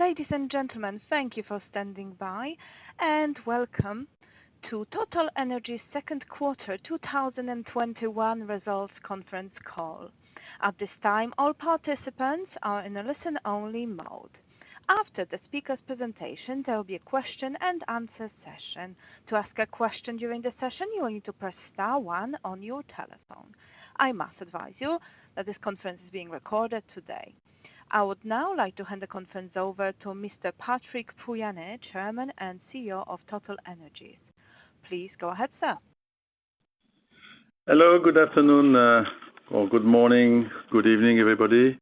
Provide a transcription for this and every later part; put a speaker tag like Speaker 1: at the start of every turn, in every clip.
Speaker 1: Ladies and gentlemen, thank you for standing by, and welcome to TotalEnergies Second Quarter 2021 Results conference call. At this time, all participants are in a listen-only mode. After the speaker's presentation, there will be a question-and-answer session. To ask a question during the session, you'll need to press star one on your telephone. I must advise you that this conference is being recorded today. I would now like to hand the conference over to Mr. Patrick Pouyanné, Chairman and CEO of TotalEnergies. Please go ahead, sir.
Speaker 2: Hello. Good afternoon, or good morning, good evening, everybody,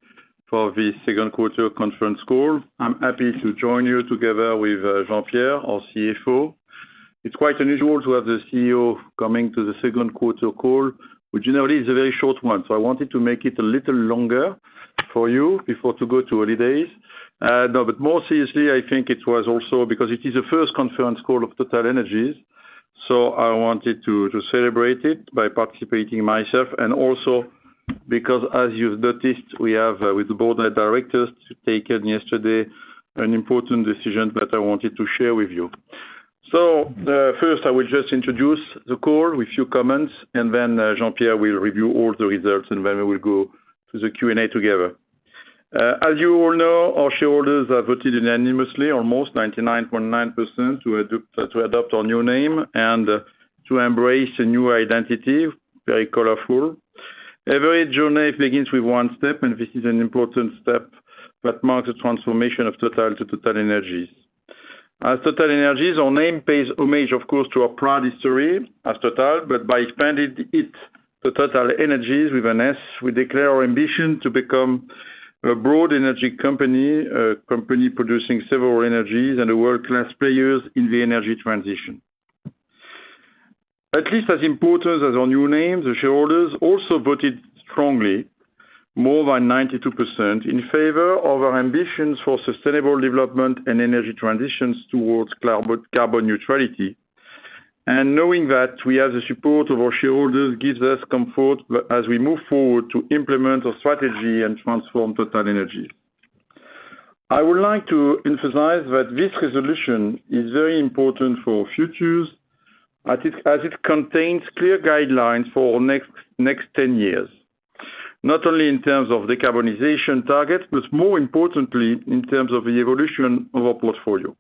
Speaker 2: for this second quarter conference call. I'm happy to join you together with Jean-Pierre, our CFO. It's quite unusual to have the CEO coming to the second quarter call, which generally is a very short one. I wanted to make it a little longer for you before to go to holidays. No, more seriously, I think it was also because it is the first conference call of TotalEnergies. I wanted to celebrate it by participating myself, also because as you've noticed, we have, with the board of directors, taken yesterday an important decision that I wanted to share with you. First, I will just introduce the call with a few comments. Then Jean-Pierre will review all the results. Then we will go to the Q&A together. As you all know, our shareholders have voted unanimously, almost 99.9%, to adopt our new name and to embrace a new identity, very colorful. Every journey begins with one step. This is an important step that marks a transformation of Total to TotalEnergies. As TotalEnergies, our name pays homage, of course, to our proud history as Total. By expanding it to TotalEnergies with an S, we declare our ambition to become a broad energy company, a company producing several energies and the world-class players in the energy transition. At least as important as our new name, the shareholders also voted strongly, more than 92%, in favor of our ambitions for sustainable development and energy transitions towards carbon neutrality. Knowing that we have the support of our shareholders gives us comfort as we move forward to implement our strategy and transform TotalEnergies. I would like to emphasize that this resolution is very important for our futures, as it contains clear guidelines for our next 10 years, not only in terms of decarbonization targets, but more importantly in terms of the evolution of our portfolio.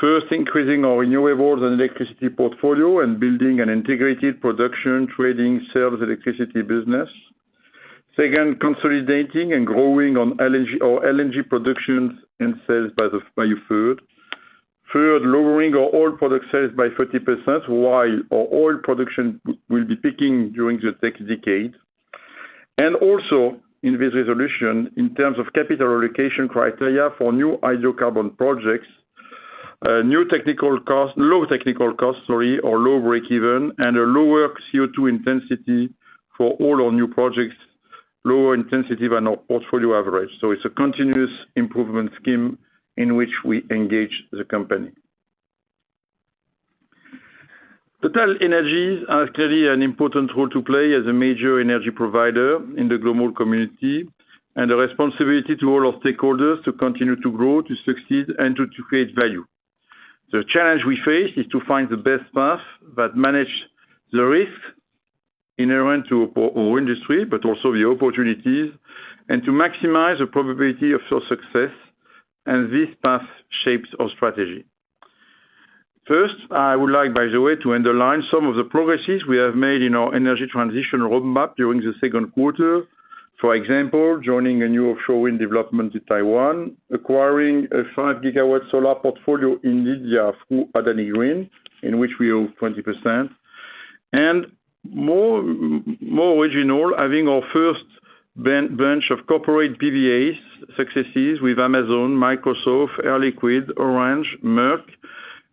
Speaker 2: First, increasing our renewables and electricity portfolio and building an integrated production, trading, sales, electricity business. Second, consolidating and growing our LNG productions and sales by a third. Third, lowering our oil product sales by 30%, while our oil production will be peaking during the next decade. Also in this resolution, in terms of capital allocation criteria for new hydrocarbon projects, low technical cost or low break-even, and a lower CO2 intensity for all our new projects, lower intensity than our portfolio average. It's a continuous improvement scheme in which we engage the company. TotalEnergies has clearly an important role to play as a major energy provider in the global community, and a responsibility to all our stakeholders to continue to grow, to succeed, and to create value. The challenge we face is to find the best path that manage the risk inherent to our industry, but also the opportunities, and to maximize the probability of our success, and this path shapes our strategy. First, I would like, by the way, to underline some of the progresses we have made in our energy transition roadmap during the second quarter. For example, joining a new offshore wind development in Taiwan, acquiring a 5GW solar portfolio in India through Adani Green, in which we own 20%. More original, having our first bunch of corporate PPAs successes with Amazon, Microsoft, Air Liquide, Orange, Merck,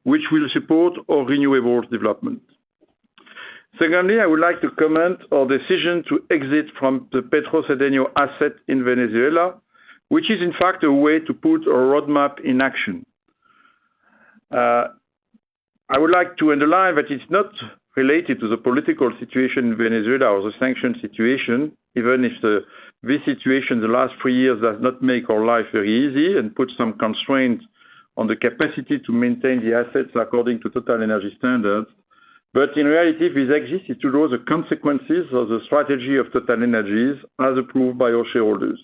Speaker 2: which will support our renewable development. Secondly, I would like to comment on the decision to exit from the Petrocedeño asset in Venezuela, which is in fact a way to put our roadmap in action. I would like to underline that it's not related to the political situation in Venezuela or the sanction situation, even if this situation the last three years has not make our life very easy and put some constraints on the capacity to maintain the assets according to TotalEnergies standards. In reality, this exit is to show the consequences of the strategy of TotalEnergies as approved by our shareholders.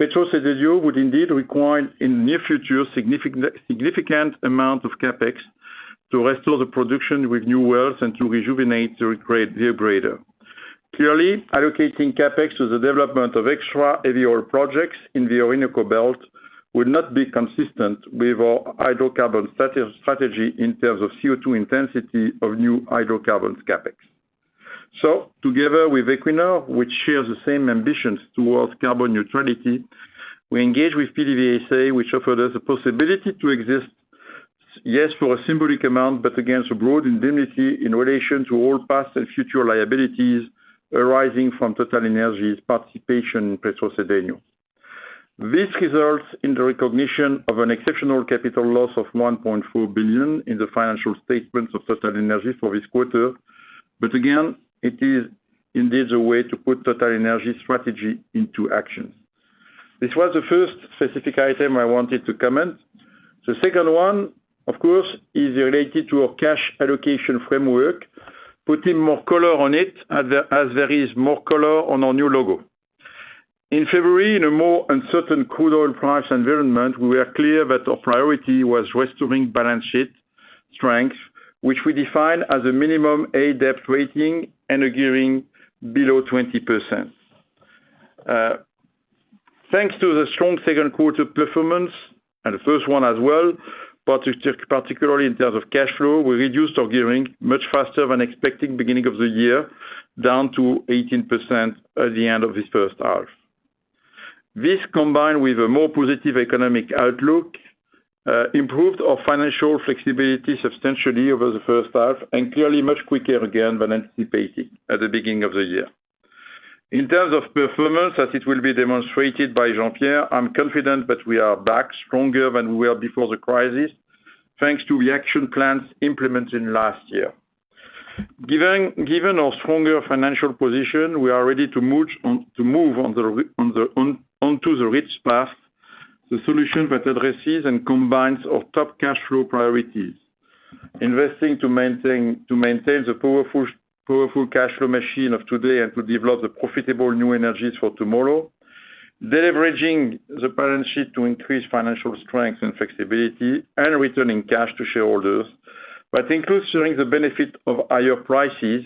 Speaker 2: Petrocedeño would indeed require, in the near future, significant amount of CapEx to restore the production with new wells and to rejuvenate the operator. Clearly, allocating CapEx to the development of extra heavy oil projects in the Orinoco Belt would not be consistent with our hydrocarbon strategy in terms of CO2 intensity of new hydrocarbons CapEx. Together with Equinor, which shares the same ambitions towards carbon neutrality, we engage with PDVSA, which offered us a possibility to exit, yes, for a symbolic amount, but against a broad indemnity in relation to all past and future liabilities arising from TotalEnergies' participation in Petrocedeño. This results in the recognition of an exceptional capital loss of $1.4 billion in the financial statements of TotalEnergies for this quarter. Again, it is indeed the way to put TotalEnergies strategy into action. This was the first specific item I wanted to comment. The second one, of course, is related to our cash allocation framework, putting more color on it as there is more color on our new logo. In February, in a more uncertain crude oil price environment, we were clear that our priority was restoring balance sheet strength, which we define as a minimum A debt rating and a gearing below 20%. Thanks to the strong second quarter performance, and the first one as well, particularly in terms of cash flow, we reduced our gearing much faster than expected beginning of the year, down to 18% at the end of this first half. This, combined with a more positive economic outlook, improved our financial flexibility substantially over the first half, and clearly much quicker again than anticipated at the beginning of the year. In terms of performance, as it will be demonstrated by Jean-Pierre, I'm confident that we are back stronger than we were before the crisis, thanks to the action plans implemented last year. Given our stronger financial position, we are ready to move onto the RICH path, the solution that addresses and combines our top cash flow priorities. Investing to maintain the powerful cash flow machine of today and to develop the profitable new energies for tomorrow. Deleveraging the balance sheet to increase financial strength and flexibility, and returning cash to shareholders. Includes showing the benefit of higher prices.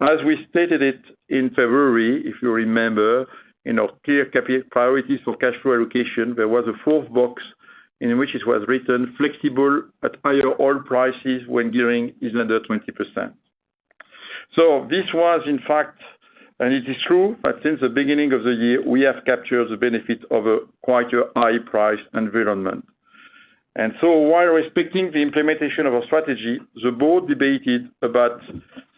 Speaker 2: As we stated it in February, if you remember, in our clear priorities for cash flow allocation, there was a fourth box in which it was written, "Flexible at higher oil prices when gearing is under 20%." This was in fact, and it is true, that since the beginning of the year, we have captured the benefit of quite a high price environment. While respecting the implementation of our strategy, the board debated about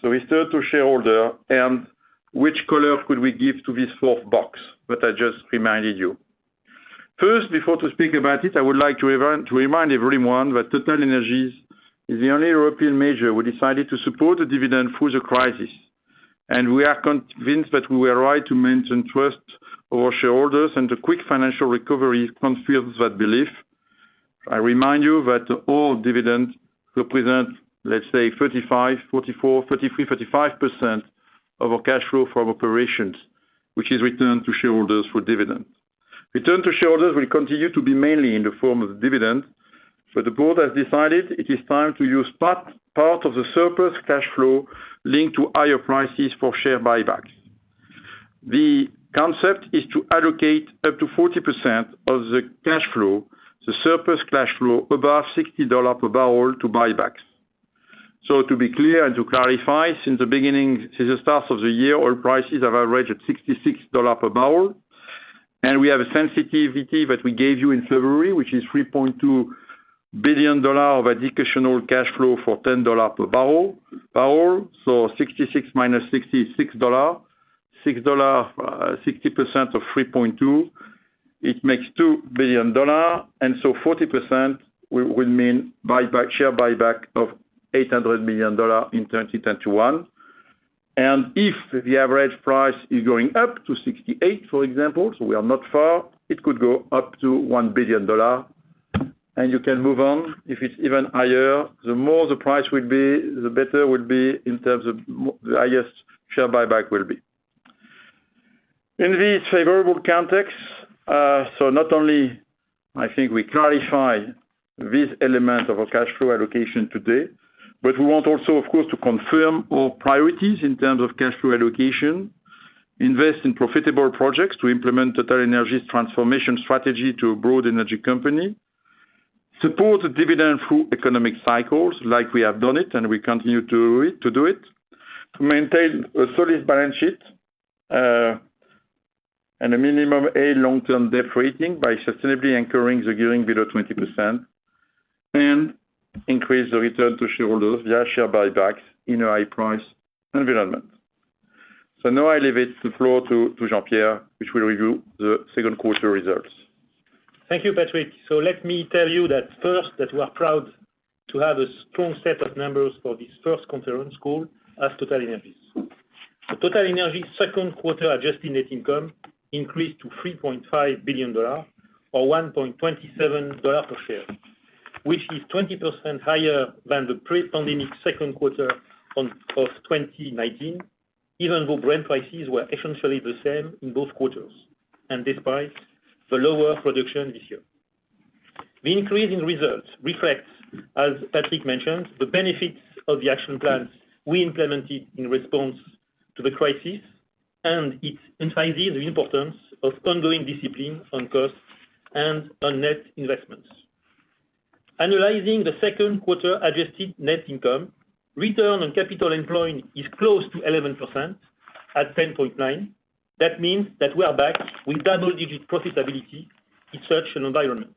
Speaker 2: the return to shareholders and which color could we give to this fourth box that I just reminded you. First, before to speak about it, I would like to remind everyone that TotalEnergies is the only European major who decided to support the dividend through the crisis. We are convinced that we were right to maintain trust of our shareholders, and the quick financial recovery confirms that belief. I remind you that all dividends represent, let's say, 33%-35% of our cash flow from operations, which is returned to shareholders for dividends. Return to shareholders will continue to be mainly in the form of dividends. The board has decided it is time to use part of the surplus cash flow linked to higher prices for share buybacks. The concept is to allocate up to 40% of the cash flow, the surplus cash flow above $60 per barrel to buybacks. To be clear and to clarify, since the start of the year, oil prices have averaged $66 per barrel. We have a sensitivity that we gave you in February, which is $3.2 billion of additional cash flow for $10 per barrel. 66 minus $66. 60% of 3.2, it makes $2 billion. 40% will mean share buyback of $800 million in 2021. If the average price is going up to 68, for example, so we are not far, it could go up to $1 billion. You can move on. If it's even higher, the more the price will be, the better it will be in terms of the highest share buyback will be. In this favorable context, not only I think we clarify this element of our cash flow allocation today, but we want also, of course, to confirm our priorities in terms of cash flow allocation, invest in profitable projects to implement TotalEnergies transformation strategy to a broad energy company, support the dividend through economic cycles like we have done it and we continue to do it, to maintain a solid balance sheet, and a minimum A long-term debt rating by sustainably anchoring the gearing below 20%, and increase the return to shareholders via share buybacks in a high price environment. Now I leave the floor to Jean-Pierre, which will review the second quarter results.
Speaker 3: Thank you, Patrick. Let me tell you that first, that we are proud to have a strong set of numbers for this first conference call as TotalEnergies. TotalEnergies second quarter adjusted net income increased to $3.5 billion, or $1.27 per share, which is 20% higher than the pre-pandemic second quarter of 2019, even though Brent prices were essentially the same in both quarters, and despite the lower production this year. The increase in results reflects, as Patrick mentioned, the benefits of the action plans we implemented in response to the crisis, and it emphasizes the importance of ongoing discipline on costs and on net investments. Analyzing the second quarter adjusted net income, return on capital employed is close to 11% at 10.9%. That means that we are back with double-digit profitability in such an environment.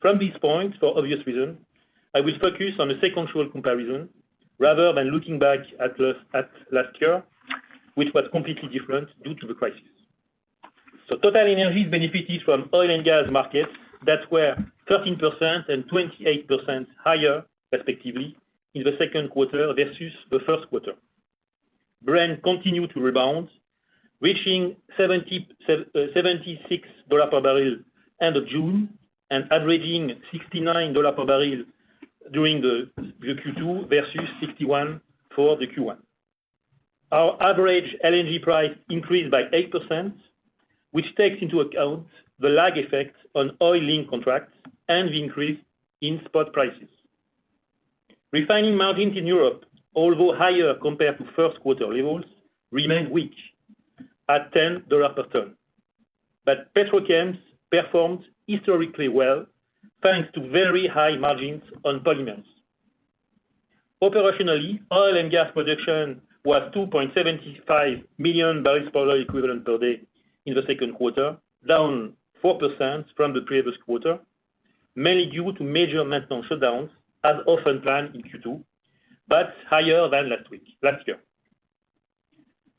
Speaker 3: From this point, for obvious reason, I will focus on a sequential comparison rather than looking back at last year, which was completely different due to the crisis. TotalEnergies benefits from oil and gas markets that were 13% and 28% higher respectively in the second quarter versus the first quarter. Brent continued to rebound, reaching $76 per barrel end of June and averaging $69 per barrel during the Q2 versus $61 for the Q1. Our average LNG price increased by 8%, which takes into account the lag effect on oil link contracts and the increase in spot prices. Refining margins in Europe, although higher compared to first-quarter levels, remained weak at $10 per ton. Petrochemicals performed historically well, thanks to very high margins on polymers. Operationally, oil and gas production was 2.75 million barrels per oil equivalent per day in the second quarter, down 4% from the previous quarter, mainly due to major maintenance shutdowns as often planned in Q2, but higher than last year.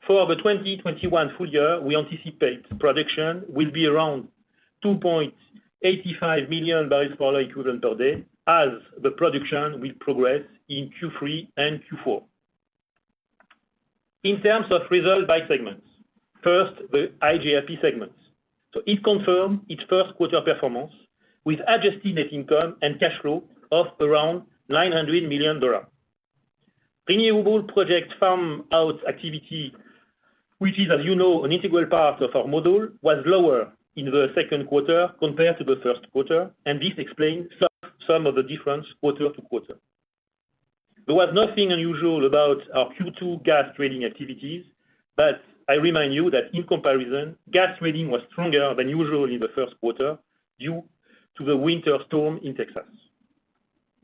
Speaker 3: For the 2021 full year, we anticipate production will be around 2.85 million barrels per oil equivalent per day as the production will progress in Q3 and Q4. In terms of results by segments, first, the iGRP segment. It confirms its first-quarter performance with adjusted net income and cash flow of around $900 million. Renewable project farm out activity, which is as you know, an integral part of our model, was lower in the second quarter compared to the first quarter, and this explains some of the difference quarter to quarter. There was nothing unusual about our Q2 gas trading activities. I remind you that in comparison, gas trading was stronger than usual in the first quarter due to the winter storm in Texas.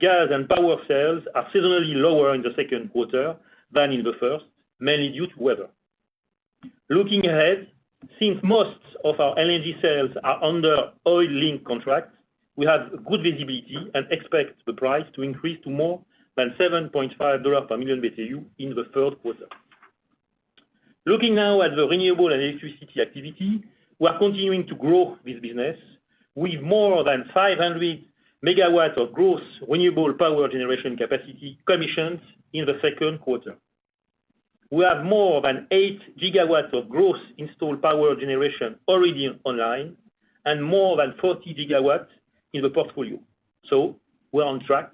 Speaker 3: Gas and power sales are seasonally lower in the second quarter than in the first, mainly due to weather. Looking ahead, since most of our LNG sales are under oil link contracts, we have good visibility and expect the price to increase to more than $7.5 per million BTU in the third quarter. Looking now at the renewable and electricity activity, we are continuing to grow this business with more than 500 MW of gross renewable power generation capacity commissions in the second quarter. We have more than 8GW of gross installed power generation already online and more than 40GW in the portfolio. We are on track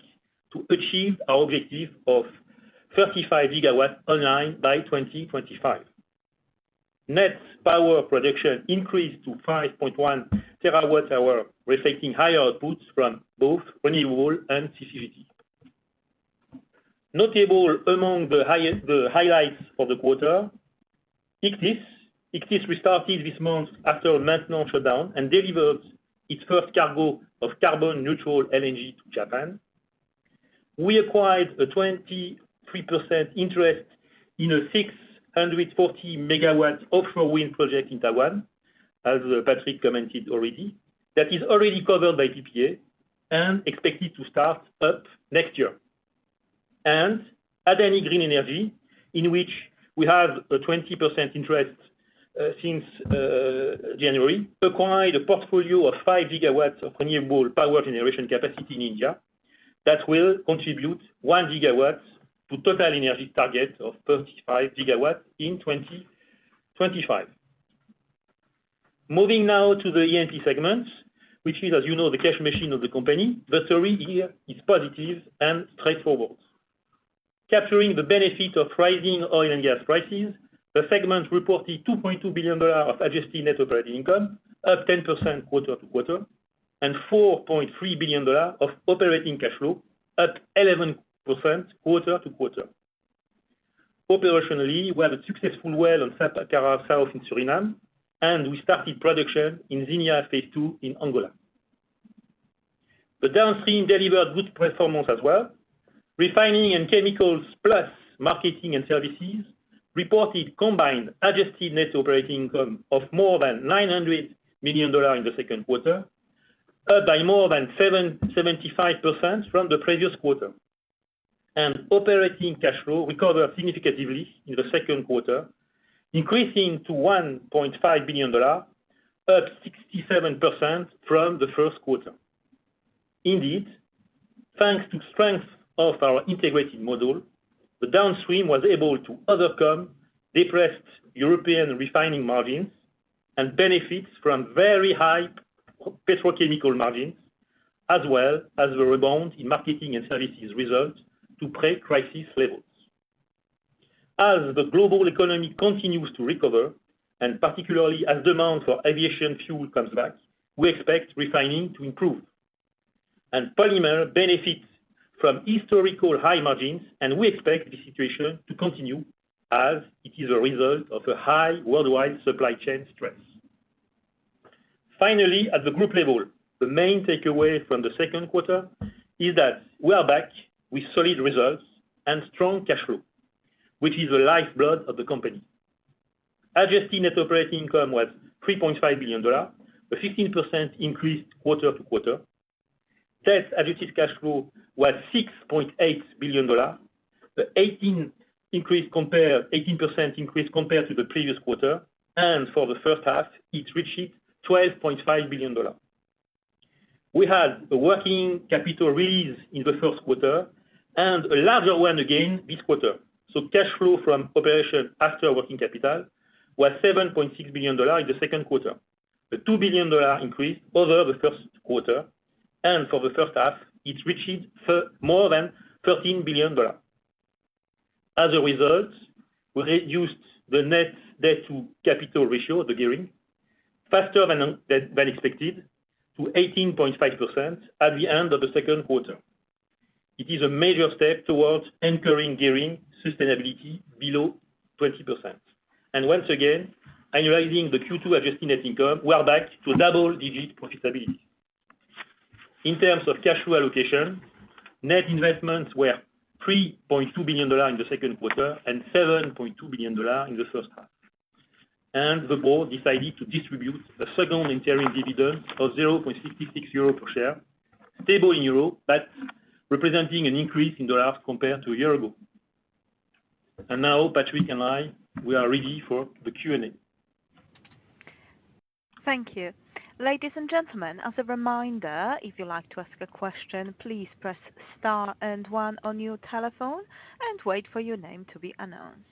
Speaker 3: to achieve our objective of 35GW online by 2025. Net power production increased to 5.1TWh, reflecting higher outputs from both renewable and CCGT. Notable among the highlights of the quarter, Ichthys restarted this month after a maintenance shutdown and delivered its first cargo of carbon neutral LNG to Japan. We acquired a 23% interest in a 640 MW offshore wind project in Taiwan, as Patrick commented already, that is already covered by PPA and expected to start up next year. Adani Green Energy, in which we have a 20% interest since January, acquired a portfolio of 5GW of renewable power generation capacity in India that will contribute 1GW to TotalEnergies target of 35GW in 2025. Moving now to the E&P segment, which is, as you know, the cash machine of the company. The story here is positive and straightforward. Capturing the benefit of rising oil and gas prices, the segment reported $2.2 billion of adjusted net operating income, up 10% quarter-to-quarter, and $4.3 billion of operating cash flow, up 11% quarter-to-quarter. Operationally, we had a successful well on Sapakara South in Suriname, and we started production in Zinia Phase II in Angola. The downstream delivered good performance as well. Refining and Chemicals, plus Marketing and Services, reported combined adjusted net operating income of more than $900 million in the second quarter, up by more than 75% from the previous quarter. Operating cash flow recovered significantly in the second quarter, increasing to $1.5 billion, up 67% from the first quarter. Indeed, thanks to the strength of our integrated model, the downstream was able to overcome depressed European refining margins and benefits from very high petrochemical margins, as well as the rebound in marketing and services results to pre-crisis levels. As the global economy continues to recover, and particularly as demand for aviation fuel comes back, we expect refining to improve. Polymer benefits from historical high margins, and we expect this situation to continue as it is a result of a high worldwide supply chain stress. Finally, at the group level, the main takeaway from the second quarter is that we are back with solid results and strong cash flow, which is the lifeblood of the company. Adjusted net operating income was $3.5 billion, a 15% increase quarter-to-quarter. Debt adjusted cash flow was $6.8 billion, the 18% increase compared to the previous quarter. For the first half, it reached $12.5 billion. We had a working capital raise in the first quarter and a larger one again this quarter. Cash flow from operation after working capital was $7.6 billion in the second quarter. The $2 billion increase over the first quarter. For the first half, it reached more than $13 billion. As a result, we reduced the net debt to capital ratio, the gearing, faster than expected to 18.5% at the end of the second quarter. It is a major step towards anchoring gearing sustainability below 20%. Once again, analyzing the Q2 adjusted net income, we are back to double-digit profitability. In terms of cash flow allocation, net investments were $3.2 billion in the second quarter and $7.2 billion in the first half. The board decided to distribute a second interim dividend of 0.66 euro per share, stable in euro, but representing an increase in dollars compared to a year ago. Now Patrick and I, we are ready for the Q&A.
Speaker 1: Thank you. Ladies and gentlemen, as a reminder, if you'd like to ask a question, please press star and one on your telephone and wait for your name to be announced.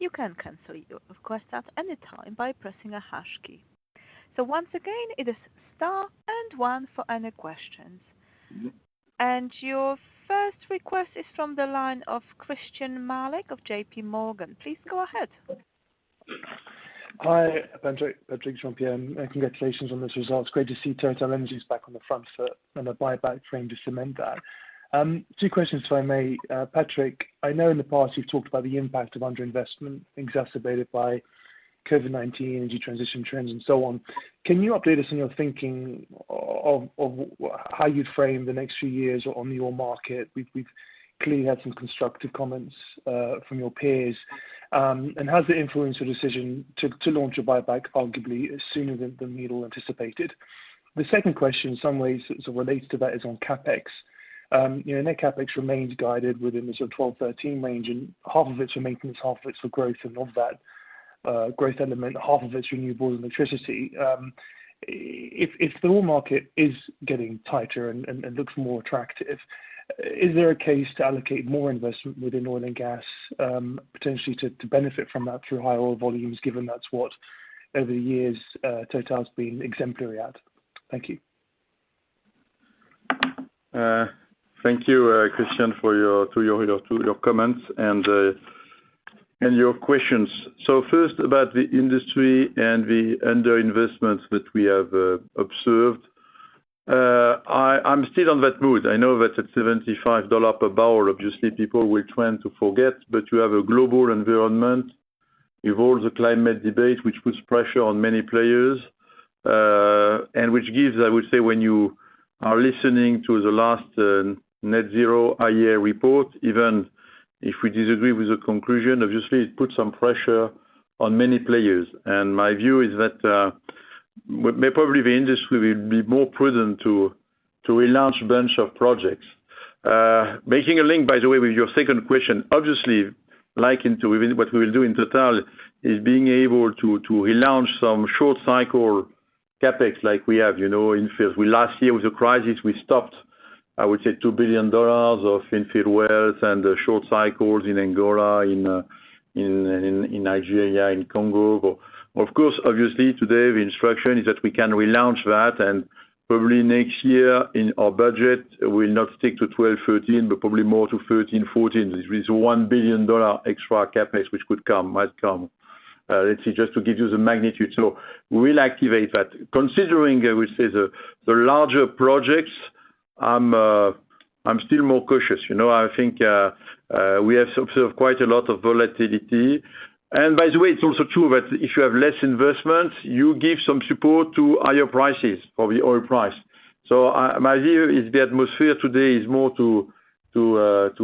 Speaker 1: You can cancel your request at any time by pressing a hash key. Once again, it is star and one for any questions. Your first request is from the line of Christyan Malek of JPMorgan. Please go ahead.
Speaker 4: Hi, Patrick, Jean-Pierre, and congratulations on this result. It's great to see TotalEnergies back on the front foot and a buyback frame to cement that. Two questions if I may. Patrick, I know in the past you've talked about the impact of underinvestment exacerbated by COVID-19, energy transition trends and so on. Can you update us on your thinking of how you'd frame the next few years on the oil market? We've clearly had some constructive comments from your peers. Has it influenced your decision to launch a buyback arguably sooner than the needle anticipated? The second question in some ways relates to that is on CapEx. Net CapEx remains guided within the $12 billion-$13 billion range, and half of it's for maintenance, half of it's for growth. Of that growth element, half of it's renewable and electricity. If the oil market is getting tighter and looks more attractive, is there a case to allocate more investment within oil and gas, potentially to benefit from that through higher oil volumes, given that is what over the years Total's been exemplary at? Thank you.
Speaker 2: Thank you, Christyan, for your comments and your questions. First about the industry and the underinvestments that we have observed. I'm still on that mood. I know that at $75 per barrel, obviously, people will try to forget, but you have a global environment. You have all the climate debate, which puts pressure on many players, and which gives, I would say, when you are listening to the last, Net Zero IEA report, even if we disagree with the conclusion, obviously, it puts some pressure on many players. My view is that, probably the industry will be more prudent to relaunch a bunch of projects. Making a link, by the way, with your second question, obviously, linking to even what we will do in TotalEnergies is being able to relaunch some short cycle CapEx like we have. In fields, last year with the crisis, we stopped, I would say, $2 billion of infield wells and short cycles in Angola, in Nigeria, in Congo. Obviously, today the instruction is that we can relaunch that and probably next year in our budget, we will not stick to $12 billion, $13 billion, but probably more to $13 billion, $14 billion. There is $1 billion extra CapEx which could come, might come. Let's say, just to give you the magnitude. We'll activate that. Considering, I would say, the larger projects, I'm still more cautious. I think we have observed quite a lot of volatility. By the way, it's also true that if you have less investments, you give some support to higher prices for the oil price. My view is the atmosphere today is more to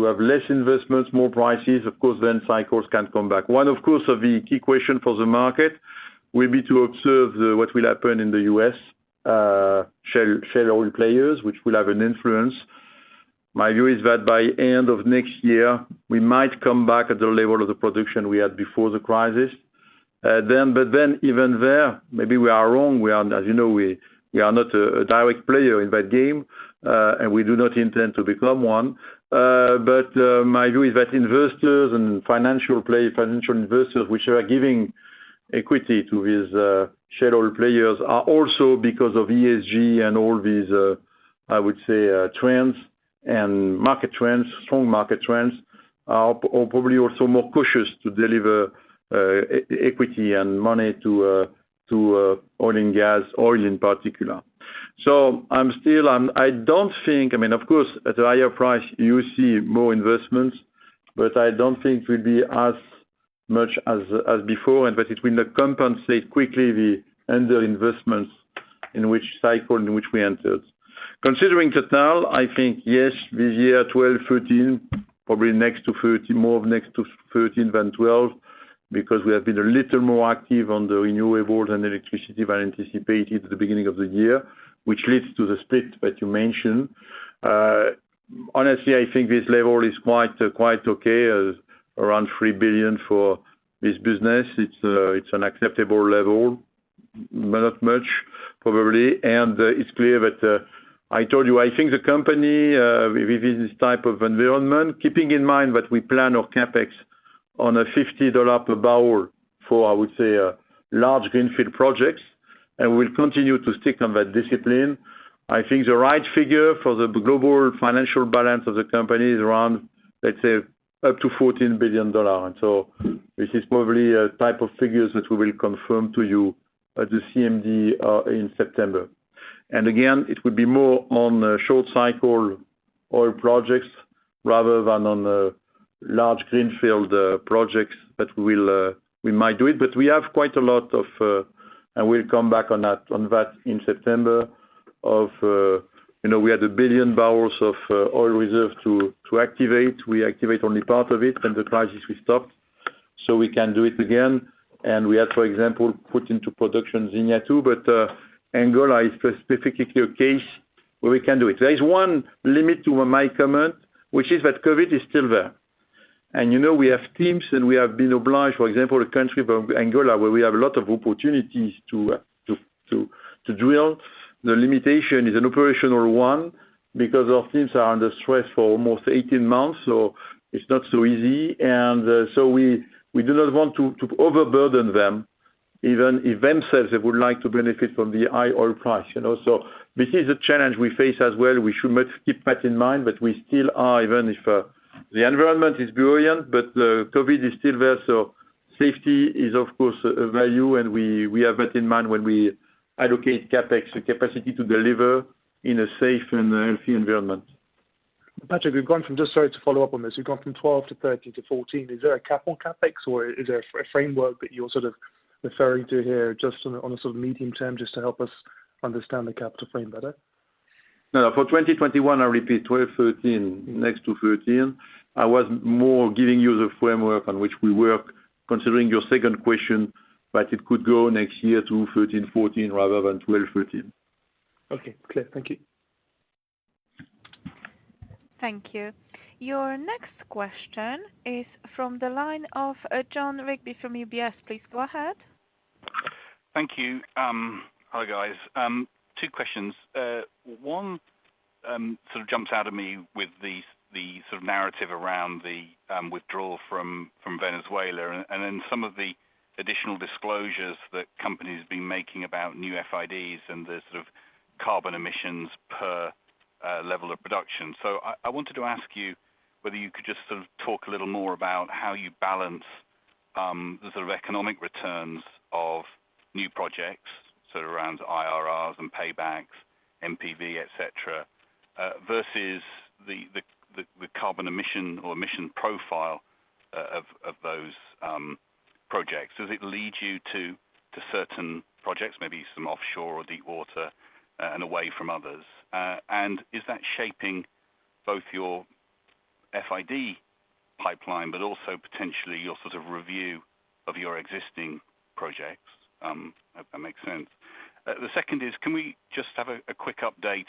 Speaker 2: have less investments, more prices. Cycles can come back. One, of course, of the key question for the market will be to observe what will happen in the US shale oil players, which will have an influence. My view is that by end of next year, we might come back at the level of the production we had before the crisis. Even there, maybe we are wrong. As you know, we are not a direct player in that game, and we do not intend to become one. My view is that investors and financial investors which are giving equity to these shale oil players are also because of ESG and all these, I would say, trends and market trends, strong market trends, are probably also more cautious to deliver equity and money to oil and gas, oil in particular. I don't think, of course, at a higher price, you see more investments, but I don't think will be as much as before, and that it will not compensate quickly the underinvestments in which cycle in which we entered. Considering Total, I think, yes, this year, $12 billion, $13 billion, probably next to $13 billion, more next to $13 billion than $12 billion. We have been a little more active on the renewable and electricity than anticipated at the beginning of the year, which leads to the split that you mentioned. Honestly, I think this level is quite okay, around $3 billion for this business. It's an acceptable level, but not much probably. It's clear that, I told you, I think the company, with this type of environment, keeping in mind that we plan our CapEx on a $50 per barrel for, I would say, large greenfield projects, and we'll continue to stick on that discipline. I think the right figure for the global financial balance of the company is around, let's say, up to $14 billion. This is probably a type of figures that we will confirm to you at the CMD in September. Again, it will be more on short-cycle oil projects rather than on large greenfield projects that we might do it. We have quite a lot of, and we'll come back on that in September, we had 1 billion barrels of oil reserve to activate. We activate only part of it, when the crisis we stopped, so we can do it again. We have, for example, put into production Zinia 2, but Angola is specifically a case where we can do it. There is one limit to my comment, which is that COVID is still there. We have teams and we have been obliged, for example, a country of Angola, where we have a lot of opportunities to drill. The limitation is an operational one because our teams are under stress for almost 18 months, so it's not so easy. We do not want to overburden them, even if themselves they would like to benefit from the high oil price. This is a challenge we face as well. We should keep that in mind, that we still are, even if the environment is brilliant. COVID is still there. Safety is of course a value. We have that in mind when we allocate CapEx capacity to deliver in a safe and healthy environment.
Speaker 4: Patrick, just sorry to follow up on this. We've gone from $12 billion to $13 billion to $14 billion. Is there a cap on CapEx or is there a framework that you're sort of referring to here, just on a sort of medium term, just to help us understand the cap to frame better?
Speaker 2: No. For 2021, I repeat, $12 billion, $13 billion, next to $13 billion. I was more giving you the framework on which we work, considering your second question, that it could go next year to $13 billion, $14 billion rather than $12 billion, $13 billion.
Speaker 4: Okay, clear. Thank you.
Speaker 1: Thank you. Your next question is from the line of Jon Rigby from UBS. Please go ahead.
Speaker 5: Thank you. Hi, guys. Two questions. One sort of jumps out at me with the narrative around the withdrawal from Venezuela and then some of the additional disclosures that companies have been making about new FIDs and the sort of carbon emissions per level of production. I wanted to ask you whether you could just sort of talk a little more about how you balance the sort of economic returns of new projects, sort of around IRRs and paybacks, NPV, et cetera, versus the carbon emission or emission profile of those projects. Does it lead you to certain projects, maybe some offshore or deep water, and away from others? Is that shaping both your FID pipeline but also potentially your sort of review of your existing projects? Hope that makes sense. The second is, can we just have a quick update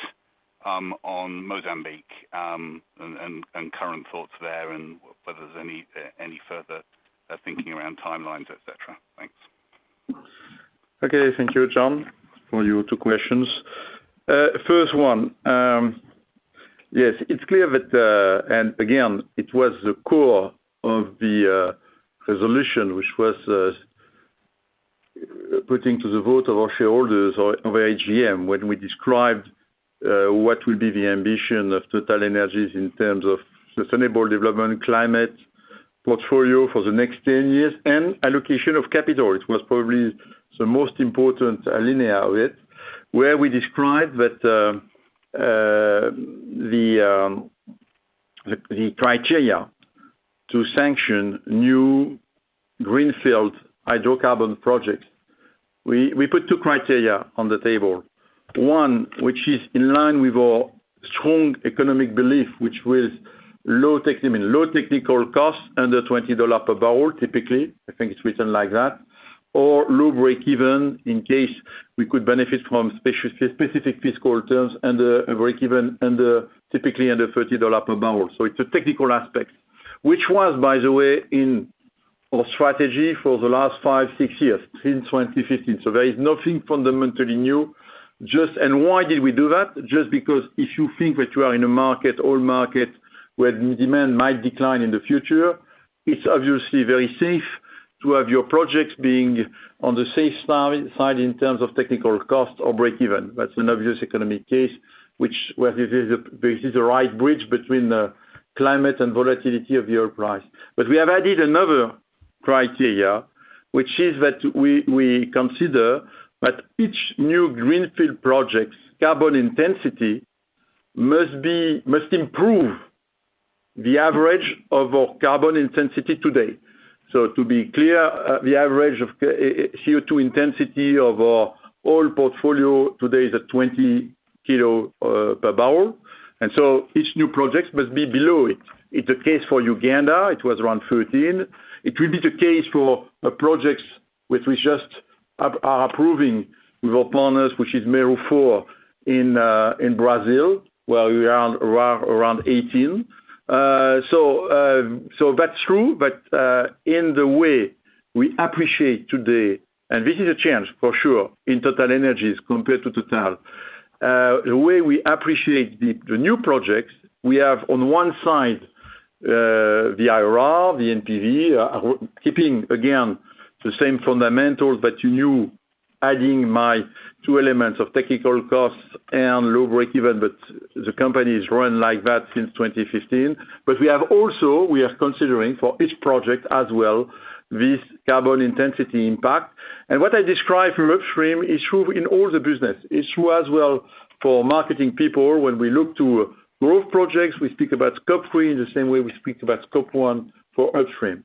Speaker 5: on Mozambique, and current thoughts there and whether there's any further thinking around timelines, et cetera? Thanks.
Speaker 2: Thank you, Jon, for your two questions. First, it's clear that, and again, it was the core of the resolution which was putting to the vote of our shareholders of our AGM when we described what will be the ambition of TotalEnergies in terms of sustainable development, climate portfolio for the next 10 years, and allocation of capital. It was probably the most important alinea of it, where we described that the criteria to sanction new greenfield hydrocarbon projects. We put two criteria on the table. One, which is in line with our strong economic belief, which was low technical costs under $20 per barrel, typically. I think it's written like that, or low breakeven in case we could benefit from specific fiscal terms and a breakeven typically under $30 per barrel. It's a technical aspect. Which was, by the way, in our strategy for the last five, six years, since 2015. There is nothing fundamentally new. Why did we do that? Just because if you think that you are in a market, oil market, where demand might decline in the future, it's obviously very safe to have your projects being on the safe side in terms of technical cost or breakeven. That's an obvious economic case, this is the right bridge between the climate and volatility of the oil price. We have added another criteria, which is that we consider that each new greenfield project's carbon intensity must improve the average of our carbon intensity today. To be clear, the average of CO2 intensity of our oil portfolio today is at 20kg per barrel. Each new project must be below it. It's the case for Uganda, it was around 13kg. It will be the case for projects which we just are approving with our partners, which is Mero 4 in Brazil, where we are around 18kg. That's true. In the way we appreciate today, and this is a change for sure, in TotalEnergies compared to Total. The way we appreciate the new projects we have on one side, the IRR, the NPV, keeping, again, the same fundamentals that you knew, adding my two elements of technical costs and low break even, but the company has run like that since 2015. We are also considering for each project as well, this carbon intensity impact. What I describe for upstream is true in all the business. It's true as well for marketing people. When we look to growth projects, we speak about Scope 3 in the same way we speak about Scope 1 for upstream.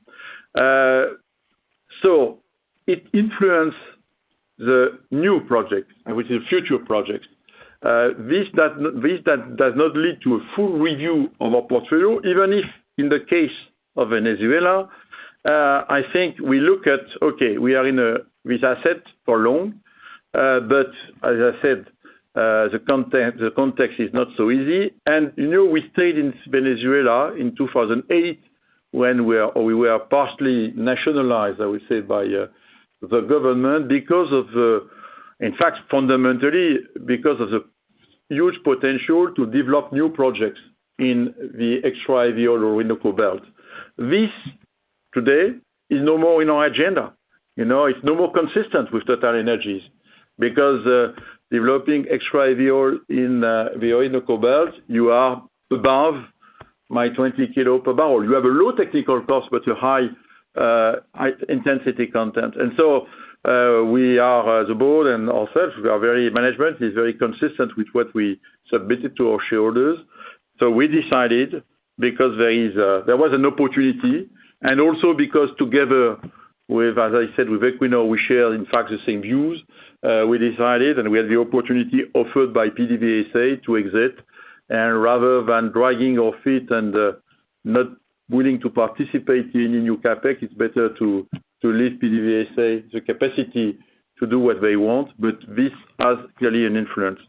Speaker 2: It influence the new project and with the future projects. This does not lead to a full review of our portfolio, even if, in the case of Venezuela, I think we look at, okay, we are with asset for long. As I said, the context is not so easy. We stayed in Venezuela in 2008 when we were partially nationalized, I would say, by the government because of, in fact, fundamentally because of the huge potential to develop new projects in the extra heavy oil Orinoco Belt. This today is no more in our agenda. It's no more consistent with TotalEnergies because, developing extra heavy oil in the Orinoco Belt, you are above my 20kg per barrel. You have a low technical cost, but a high intensity content. The board and ourselves, management is very consistent with what we submitted to our shareholders. We decided because there was an opportunity and also because together with, as I said, Equinor, we share in fact the same views. We decided, and we had the opportunity offered by PDVSA to exit. Rather than dragging our feet and not willing to participate in the new CapEx, it's better to leave PDVSA the capacity to do what they want. This has clearly an influence.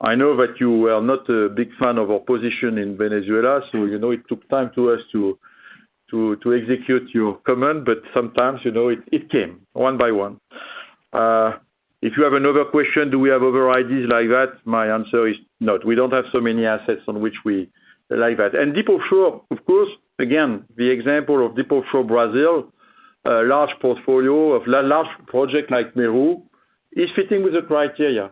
Speaker 2: I know that you are not a big fan of our position in Venezuela, so you know it took time to us to execute your command, but sometimes it came one by one. If you have another question, do we have other ideas like that? My answer is no. We don't have so many assets on which we like that. Deep offshore, of course, again, the example of deep offshore Brazil, a large portfolio of large project like Mero is fitting with the criteria.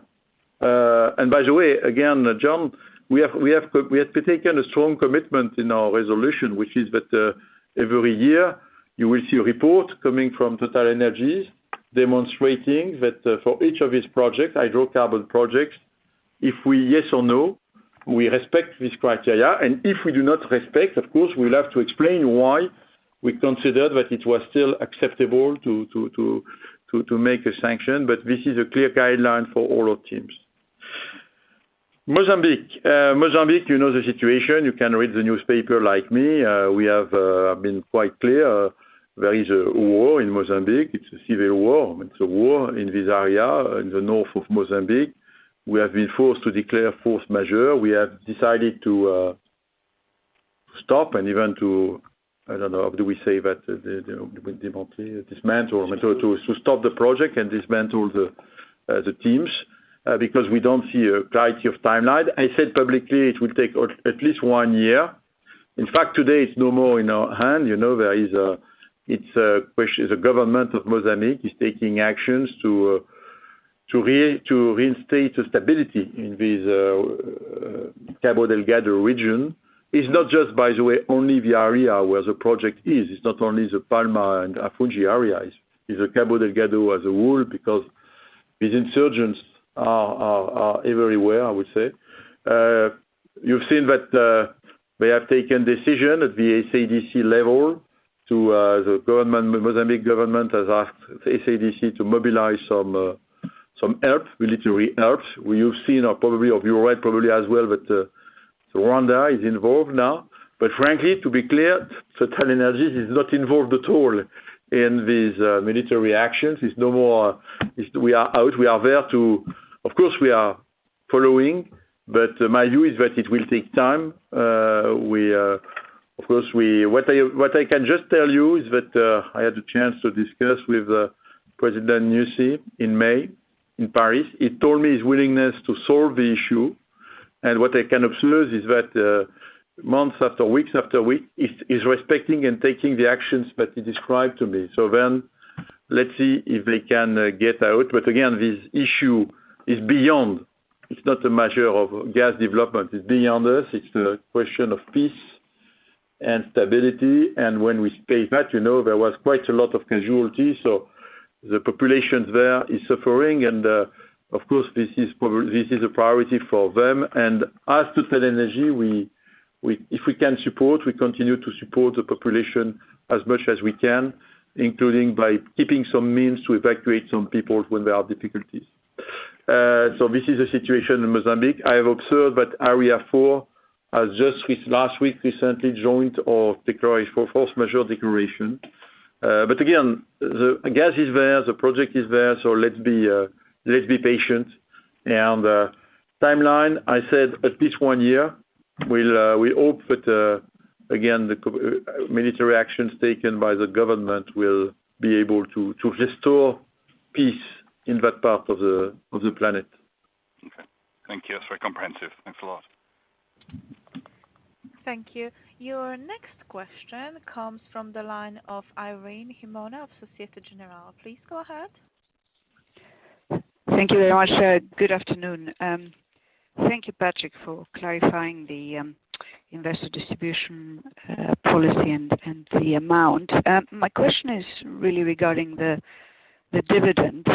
Speaker 2: By the way, again, Jon, we have taken a strong commitment in our resolution, which is that every year you will see a report coming from TotalEnergies demonstrating that for each of these projects, hydrocarbon projects, if we yes or no, we respect this criteria. If we do not respect, of course, we'll have to explain why we consider that it was still acceptable to make a sanction. This is a clear guideline for all our teams. Mozambique. Mozambique, you know the situation. You can read the newspaper like me. We have been quite clear. There is a war in Mozambique. It's a civil war. It's a war in this area in the north of Mozambique. We have been forced to declare force majeure. We have decided to stop and even to, I don't know, how do we say that? Dismantle. To stop the project and dismantle the teams, because we don't see a clarity of timeline. I said publicly it will take at least one year. In fact, today it's no more in our hand. The government of Mozambique is taking actions to reinstate the stability in this Cabo Delgado region. It's not just, by the way, only the area where the project is. It's not only the Palma and Afungi area. It's the Cabo Delgado as a whole because these insurgents are everywhere, I would say. You've seen that they have taken decision at the SADC level. The Mozambique government has asked SADC to mobilize some military help. You've seen, or probably you are right probably as well, Rwanda is involved now. To be clear, TotalEnergies is not involved at all in these military actions. It's no more. We are out. Of course, we are following, but my view is that it will take time. What I can just tell you is that I had the chance to discuss with President Nyusi in May in Paris. He told me his willingness to solve the issue. What I can observe is that months after weeks after week, he's respecting and taking the actions that he described to me. Let's see if they can get out. This issue is beyond. It's not a measure of gas development. It's beyond us. It's the question of peace and stability. When we say that, there was quite a lot of casualties. The population there is suffering and, of course, this is a priority for them. As TotalEnergies, if we can support, we continue to support the population as much as we can, including by keeping some means to evacuate some people when there are difficulties. This is the situation in Mozambique. I have observed that Area 4 has just this last week recently joined or declared a force majeure declaration. Again, the gas is there, the project is there, so let's be patient. Timeline, I said at least one year. We hope that, again, the military actions taken by the government will be able to restore peace in that part of the planet.
Speaker 5: Okay. Thank you. That's very comprehensive. Thanks a lot.
Speaker 1: Thank you. Your next question comes from the line of Irene Himona of Societe Generale. Please go ahead.
Speaker 6: Thank you very much. Good afternoon. Thank you, Patrick, for clarifying the investor distribution policy and the amount. My question is really regarding the dividend.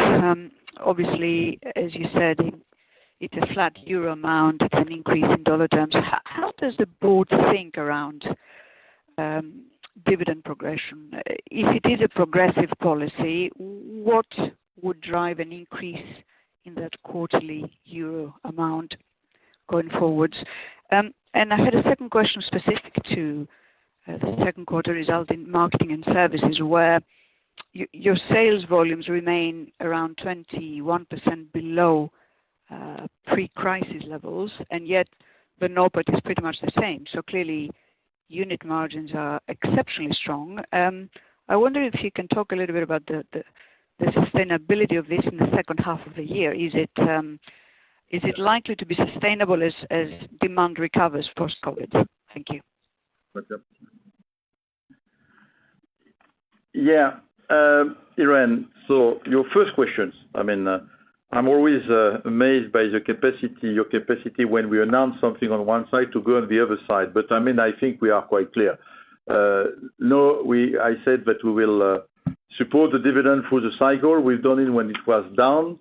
Speaker 6: Obviously, as you said, it's a flat euro amount, it's an increase in dollar terms. How does the board think around dividend progression? If it is a progressive policy, what would drive an increase in that quarterly euro amount going forward? I had a second question specific to the second quarter result in marketing and services, where your sales volumes remain around 21% below pre-crisis levels, yet the NOPAT is pretty much the same. Clearly, unit margins are exceptionally strong. I wonder if you can talk a little bit about the sustainability of this in the second half of the year. Is it likely to be sustainable as demand recovers post-COVID? Thank you.
Speaker 2: Okay. Yeah. Irene, your first question, I'm always amazed by your capacity when we announce something on 1 side to go on the other side. I think we are quite clear. I said that we will support the dividend through the cycle. We've done it when it was down.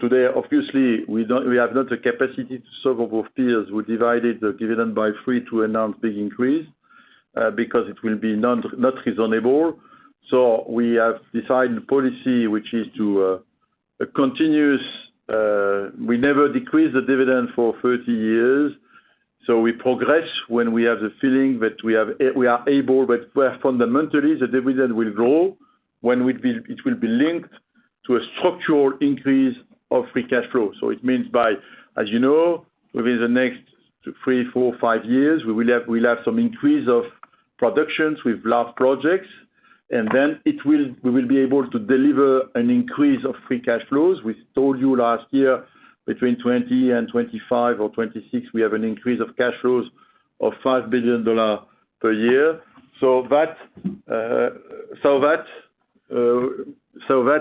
Speaker 2: Today, obviously, we have not the capacity to serve both peers, who divided the dividend by three to announce the increase, because it will be not reasonable. We have decided the policy, which is to a continuous We never decrease the dividend for 30 years. We progress when we have the feeling that we are able, but where fundamentally the dividend will grow, it will be linked to a structural increase of free cash flow. It means by, as you know, within the next three, four, five years, we will have some increase of productions. We have large projects, then we will be able to deliver an increase of free cash flows. We told you last year, between 2020 and 2025 or 2026, we have an increase of cash flows of $5 billion per year. That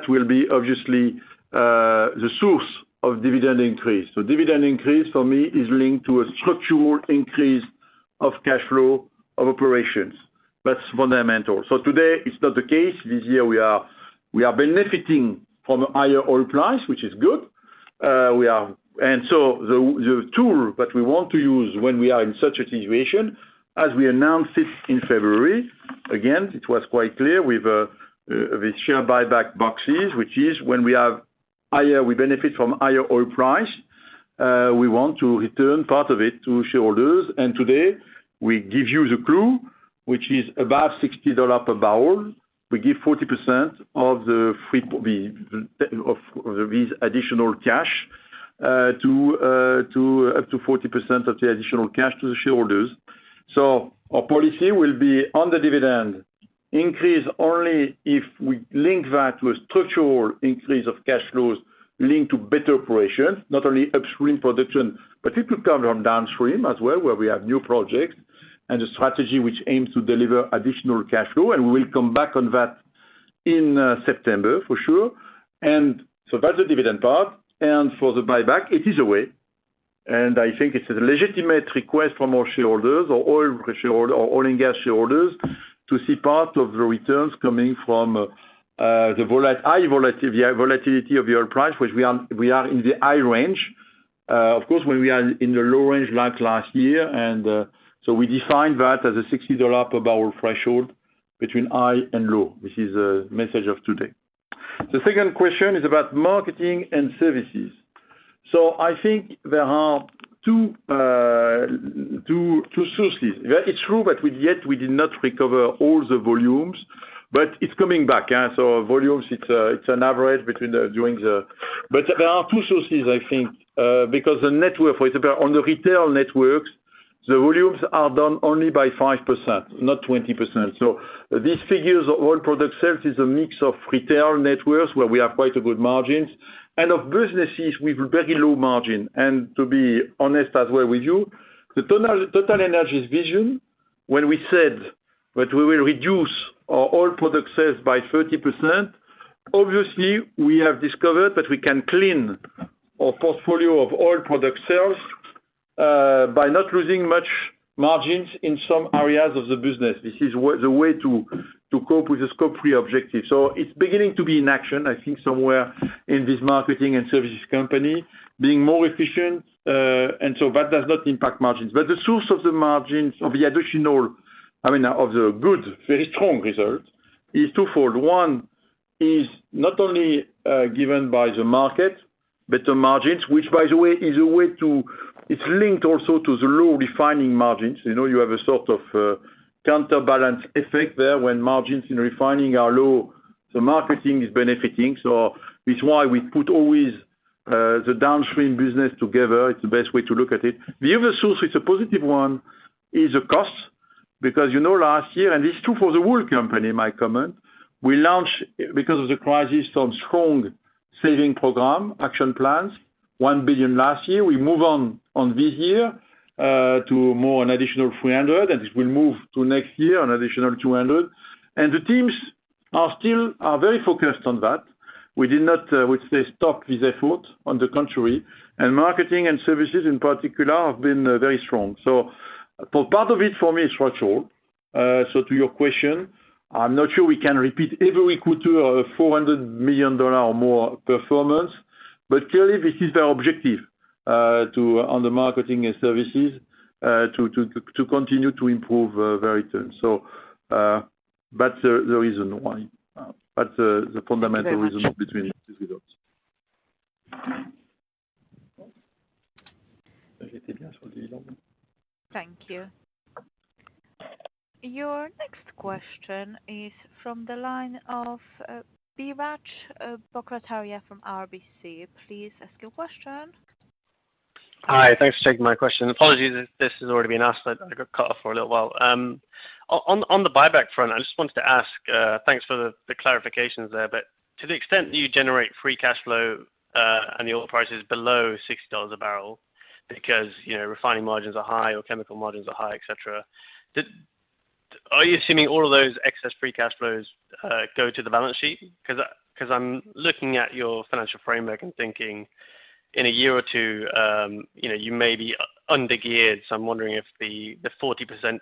Speaker 2: will be obviously the source of dividend increase. Dividend increase for me is linked to a structural increase of cash flow of operations. That's fundamental. Today it's not the case. This year we are benefiting from higher oil price, which is good. The tool that we want to use when we are in such a situation, as we announced it in February, again, it was quite clear with share buybacks, which is when we benefit from higher oil price, we want to return part of it to shareholders. Today, we give you the clue, which is above $60 per barrel. We give up to 40% of the additional cash to the shareholders. Our policy will be on the dividend increase only if we link that to a structural increase of cash flows linked to better operations, not only upstream production, but it could come from downstream as well, where we have new projects and a strategy which aims to deliver additional cash flow, we will come back on that in September for sure. That's the dividend part. For the buyback, it is a way, and I think it's a legitimate request from our shareholders or oil and gas shareholders to see part of the returns coming from the high volatility of the oil price, which we are in the high range. Of course, when we are in the low range like last year, we define that as a $60 per barrel threshold between high and low. This is the message of today. The second question is about marketing and services. I think there are two sources. That is true that with yet we did not recover all the volumes, but it's coming back. Volumes, there are two sources, I think, because the network, for example, on the retail networks, the volumes are down only by 5%, not 20%. These figures of oil product sales is a mix of retail networks where we have quite a good margins and of businesses with very low margin. To be honest as well with you, the TotalEnergies vision, when we said that we will reduce our oil product sales by 30%, obviously we have discovered that we can clean our portfolio of oil product sales by not losing much margins in some areas of the business. This is the way to cope with the Scope 2 objective. It's beginning to be in action, I think somewhere in this marketing and services company being more efficient, that does not impact margins. The source of the margins of the good, very strong results is twofold. One is not only given by the market, but the margins, which by the way, it's linked also to the low refining margins. You have a sort of counterbalance effect there when margins in refining are low, marketing is benefiting. It's why we put always the downstream business together. It's the best way to look at it. The other source, it's a positive one, is the cost. You know last year, and this is true for the whole company, might comment, we launch, because of the crisis, some strong saving program action plans, $1 billion last year. We move on this year, to more an additional $300 million, and it will move to next year an additional $200 million. The teams are very focused on that. We did not, I would say, stop this effort, on the contrary, and Marketing & Services in particular have been very strong. For part of it, for me, it's structural. To your question, I am not sure we can repeat every Q2 a $400 million or more performance. Clearly this is the objective on the Marketing & Services, to continue to improve very soon. That's the reason why. That's the fundamental reason between these results.
Speaker 1: Thank you. Your next question is from the line of Biraj Borkhataria from RBC. Please ask your question.
Speaker 7: Hi, thanks for taking my question. Apologies if this has already been asked, but I got cut off for a little while. On the buyback front, I just wanted to ask, thanks for the clarifications there, but to the extent that you generate free cash flow, and the oil price is below $60 a barrel because refining margins are high or chemical margins are high, et cetera, are you assuming all of those excess free cash flows go to the balance sheet? Because I'm looking at your financial framework and thinking in a year or two, you may be under-geared. I'm wondering if the 40%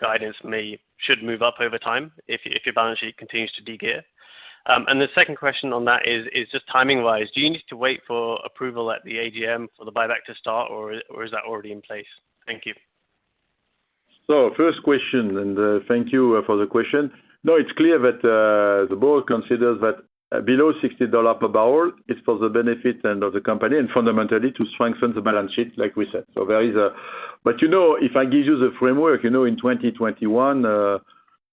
Speaker 7: guidance maybe should move up over time if your balance sheet continues to de-gear. The second question on that is just timing-wise. Do you need to wait for approval at the AGM for the buyback to start, or is that already in place? Thank you.
Speaker 2: First question, and thank you for the question. It's clear that the board considers that below $60 per barrel is for the benefit of the company, and fundamentally to strengthen the balance sheet, like we said. If I give you the framework, in 2021,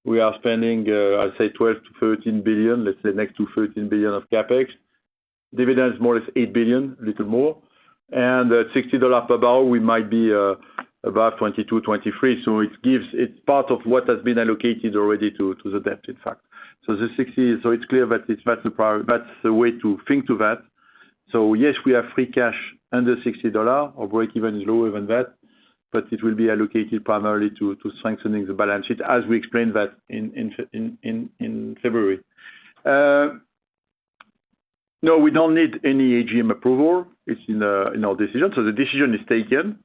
Speaker 2: we are spending, I'd say $12 billion-$13 billion. Let's say next to $13 billion of CapEx. Dividends more or less $8 billion, a little more. At $60 per barrel, we might be about $22 billion, $23 billion. It's part of what has been allocated already to the debt, in fact. It's clear that that's the way to think to that. Yes, we have free cash under $60. Our breakeven is lower than that, but it will be allocated primarily to strengthening the balance sheet, as we explained that in February. We don't need any AGM approval. It's in our decision. The decision is taken.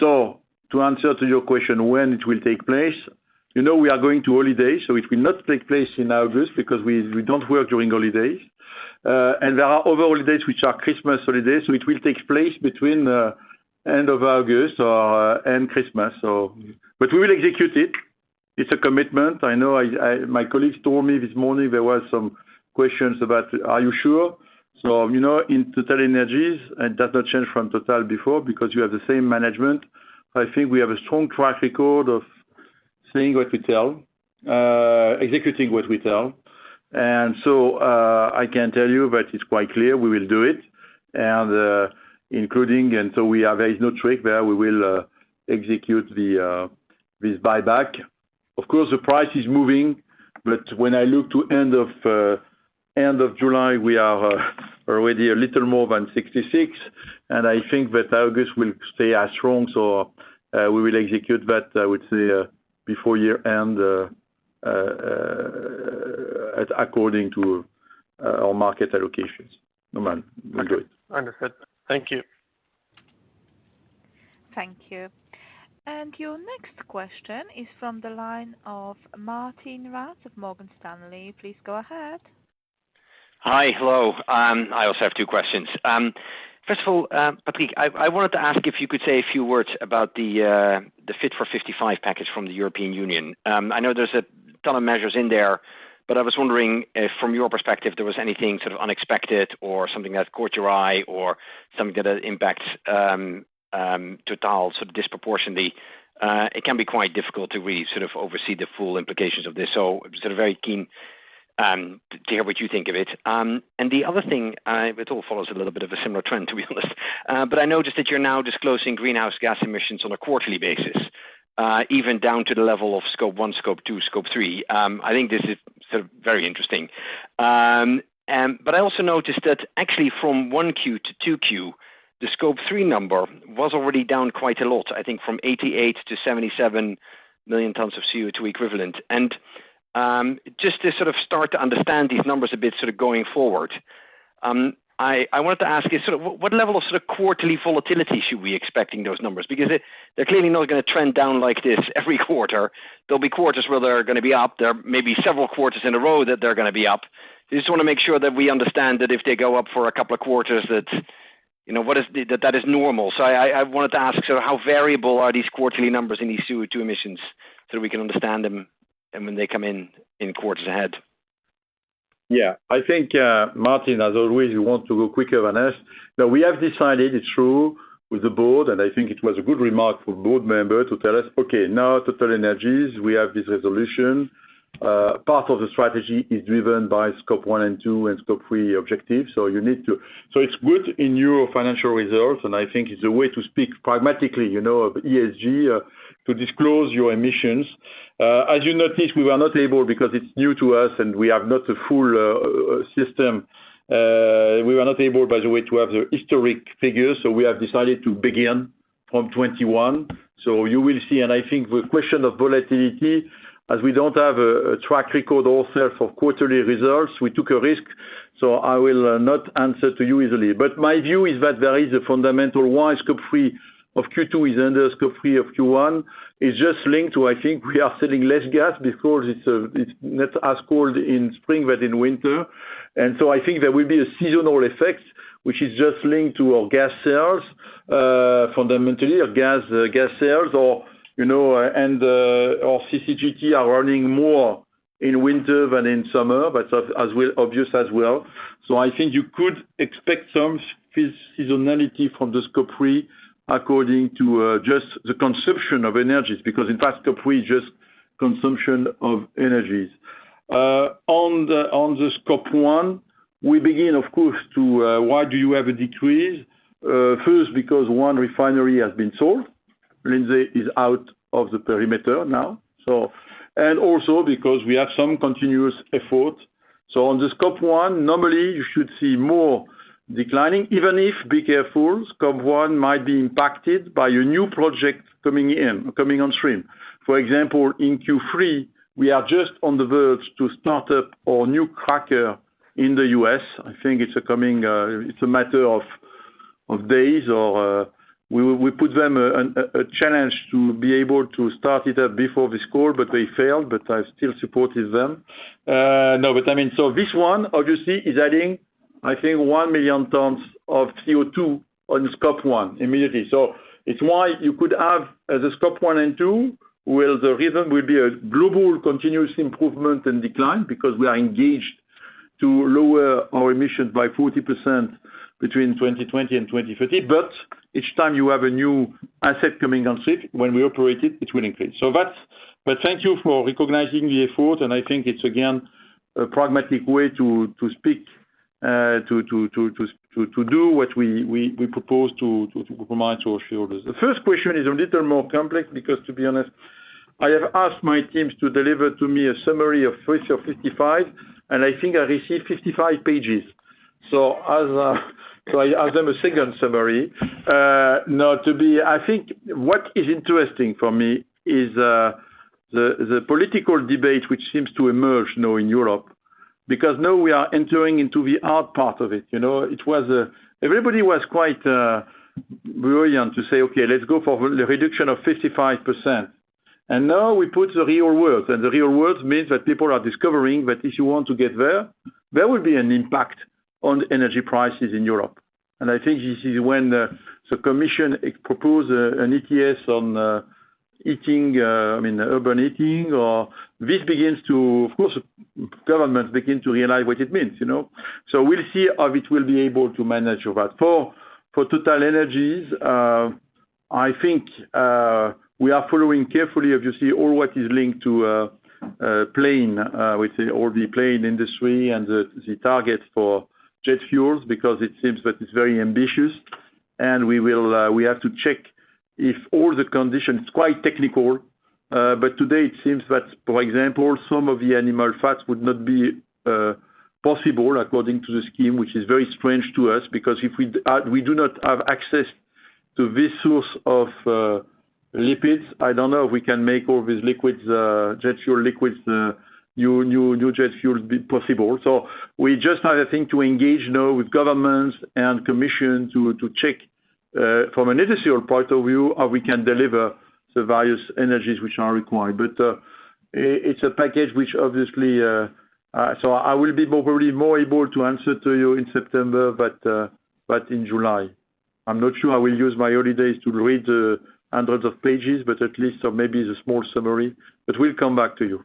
Speaker 2: To answer to your question, when it will take place, you know we are going to holiday, it will not take place in August because we don't work during holidays. There are other holidays which are Christmas holidays, so it will take place between end of August and Christmas. We will execute it. It's a commitment. My colleagues told me this morning there was some questions about, are you sure? In TotalEnergies, and that's not changed from Total before, because you have the same management, I think we have a strong track record of saying what we tell, executing what we tell. I can tell you that it's quite clear we will do it. There is no trick there. We will execute this buyback. Of course, the price is moving, but when I look to end of July, we are already a little more than $66, and I think that August will stay as strong. We will execute that, I would say, before year-end according to our market allocations. No man, we'll do it.
Speaker 7: Understood. Thank you.
Speaker 1: Thank you. Your next question is from the line of Martijn Rats of Morgan Stanley. Please go ahead.
Speaker 8: Hi. Hello. I also have two questions. First of all, Patrick, I wanted to ask if you could say a few words about the Fit for 55 package from the European Union. I know there's a ton of measures in there. I was wondering if from your perspective, there was anything sort of unexpected or something that caught your eye or something that impacts Total sort of disproportionately. It can be quite difficult to really sort of oversee the full implications of this. I'm sort of very keen to hear what you think of it. The other thing, it all follows a little bit of a similar trend, to be honest. I noticed that you're now disclosing greenhouse gas emissions on a quarterly basis, even down to the level of Scope 1, Scope 2, Scope 3. I think this is sort of very interesting. I also noticed that actually from 1Q to 2Q, the Scope 3 number was already down quite a lot, I think from 88 to 77 million tons of CO2 equivalent. Just to sort of start to understand these numbers a bit sort of going forward, I wanted to ask you, what level of sort of quarterly volatility should we be expecting those numbers? Because they're clearly not going to trend down like this every quarter. There'll be quarters where they're going to be up. There may be several quarters in a row that they're going to be up. I just want to make sure that we understand that if they go up for a couple of quarters, That is normal. I wanted to ask, so how variable are these quarterly numbers in these CO2 emissions so that we can understand them and when they come in quarters ahead?
Speaker 2: Yeah. I think, Martijn, as always, you want to go quicker than us. We have decided it's true with the board, and I think it was a good remark for board member to tell us, okay, now TotalEnergies, we have this resolution. Part of the strategy is driven by Scope 1 and 2 and Scope 3 objectives. It's good in your financial results, and I think it's a way to speak pragmatically, of ESG, to disclose your emissions. As you notice, we were not able because it's new to us, and we have not a full system. We were not able, by the way, to have the historic figures. We have decided to begin from 2021. You will see, and I think the question of volatility, as we don't have a track record also for quarterly results, we took a risk, I will not answer to you easily. My view is that there is a fundamental why Scope 3 of Q2 is under Scope 3 of Q1. It's just linked to, we are selling less gas because it's not as cold in spring than in winter. There will be a seasonal effect, which is just linked to our gas sales, fundamentally our gas sales or CCGT are running more in winter than in summer, but as obvious as well. You could expect some seasonality from the Scope 3 according to just the consumption of energies because in fact, Scope 3 is just consumption of energies. On the Scope 1, we begin, of course, to why do you have a decrease? First, because one refinery has been sold. Lindsey is out of the perimeter now. Also, because we have some continuous effort. On the Scope 1, normally you should see more declining, even if, be careful, Scope 1 might be impacted by a new project coming in, coming on stream. For example, in Q3, we are just on the verge to start up our new cracker in the US. I think it's a matter of days or we put them a challenge to be able to start it up before this call, they failed, I still supported them. No, I mean, this one obviously is adding, I think 1 million tons of CO2 on Scope 1 immediately. It's why you could have the Scope 1 and 2, where the rhythm will be a global continuous improvement and decline because we are engaged to lower our emissions by 40% between 2020 and 2050. Each time you have a new asset coming on stream, when we operate it will increase. Thank you for recognizing the effort, and I think it's again, a pragmatic way to speak, to do what we propose to remind to our shareholders. The first question is a little more complex because, to be honest, I have asked my teams to deliver to me a summary of 55, and I think I received 55 pages. I asked them a second summary. No, I think what is interesting for me is the political debate which seems to emerge now in Europe, because now we are entering into the hard part of it. Everybody was quite brilliant to say, "Okay, let's go for the reduction of 55%." Now we put the real world, and the real world means that people are discovering that if you want to get there will be an impact on energy prices in Europe. I think this is when the commission proposed an ETS on heating, urban heating or this begins to, of course, governments begin to realize what it means. We'll see how it will be able to manage all that. For TotalEnergies, I think, we are following carefully, obviously, all what is linked to plane, the plane industry and the targets for jet fuels because it seems that it's very ambitious. We have to check if all the conditions, it's quite technical. Today it seems that, for example, some of the animal fats would not be possible according to the scheme, which is very strange to us because if we do not have access to this source of lipids, I don't know if we can make all these jet fuel liquids, new jet fuel be possible. We just have, I think, to engage now with governments and Commission to check, from an industrial point of view, how we can deliver the various energies which are required. It's a package which obviously I will be probably more able to answer to you in September but in July. I'm not sure I will use my holidays to read the hundreds of pages, but at least maybe the small summary. We'll come back to you.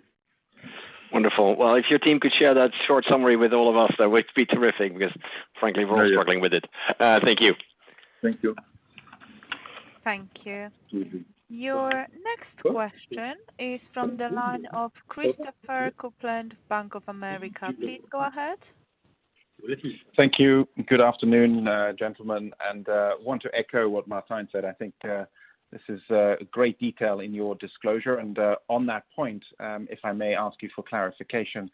Speaker 8: Wonderful. Well, if your team could share that short summary with all of us, that would be terrific because frankly, we're all struggling with it. Thank you.
Speaker 2: Thank you.
Speaker 1: Thank you. Your next question is from the line of Christopher Kuplent, Bank of America. Please go ahead.
Speaker 9: Thank you. Good afternoon, gentlemen. I want to echo what Martijn said. I think this is great detail in your disclosure. On that point, if I may ask you for clarification,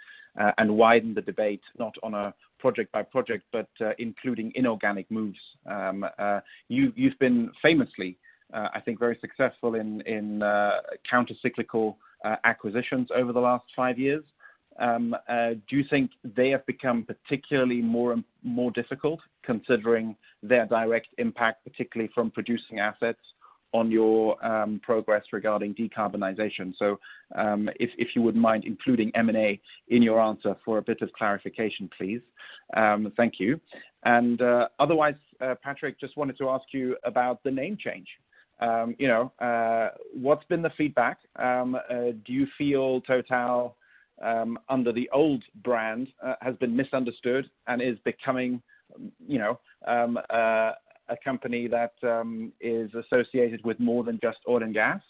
Speaker 9: and widen the debate, not on a project by project, but including inorganic moves. You've been famously, I think very successful in counter cyclical acquisitions over the last five years. Do you think they have become particularly more difficult considering their direct impact, particularly from producing assets, on your progress regarding decarbonization? If you wouldn't mind including M&A in your answer for a bit of clarification, please. Thank you. Otherwise, Patrick, I just wanted to ask you about the name change. What's been the feedback? Do you feel Total under the old brand has been misunderstood and is becoming a company that is associated with more than just oil and gas?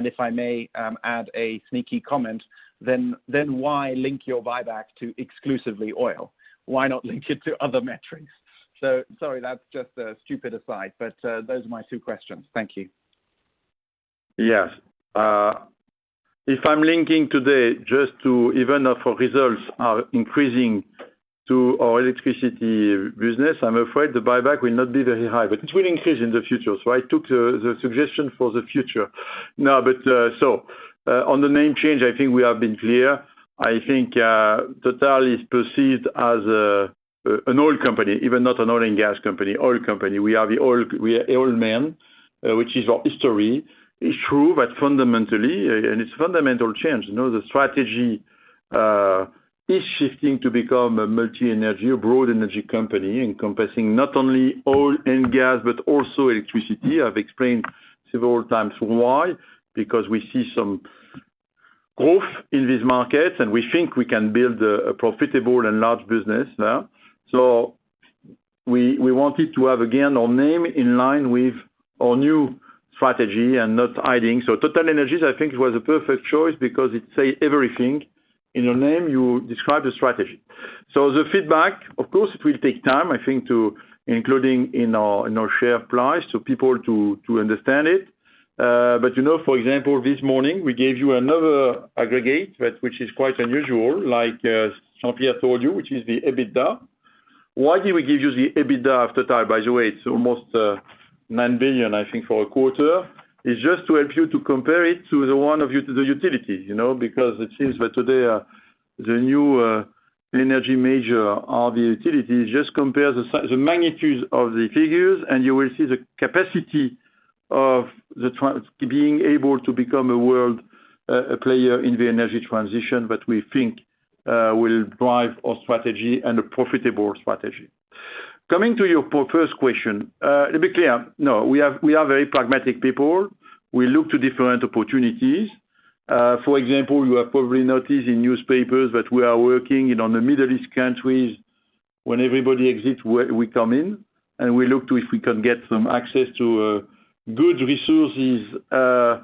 Speaker 9: If I may, add a sneaky comment, then why link your buyback to exclusively oil? Why not link it to other metrics? Sorry, that's just a stupid aside, but those are my two questions. Thank you.
Speaker 2: Yes. If I'm linking today just to even for results are increasing to our electricity business, I'm afraid the buyback will not be very high, but it will increase in the future. I took the suggestion for the future. On the name change, I think we have been clear. I think Total is perceived as an oil company, if not an oil and gas company, oil company. We are an oil major, which is our history. It's true, but fundamentally, and it's fundamental change. The strategy is shifting to become a multi-energy, a broad energy company encompassing not only oil and gas, but also electricity. I've explained several times why, because we see some growth in this market, and we think we can build a profitable and large business there. We wanted to have, again, our name in line with our new strategy and not hiding. TotalEnergies, I think was a perfect choice because it says everything. In a name, you describe the strategy. The feedback, of course, it will take time, I think to including in our share price to people to understand it. For example, this morning, we gave you another aggregate that which is quite unusual, like Jean-Pierre told you, which is the EBITDA. Why do we give you the EBITDA of Total? By the way, it's almost $9 billion, I think for a quarter, is just to help you to compare it to the one of the utility because it seems that today, the new energy major are the utilities. Just compare the magnitude of the figures, and you will see the capacity of being able to become a world player in the energy transition that we think will drive our strategy and a profitable strategy. Coming to your first question. To be clear, no, we are very pragmatic people. We look to different opportunities. For example, you have probably noticed in newspapers that we are working in the Middle East countries. When everybody exits, we come in, and we look to if we can get some access to good resources in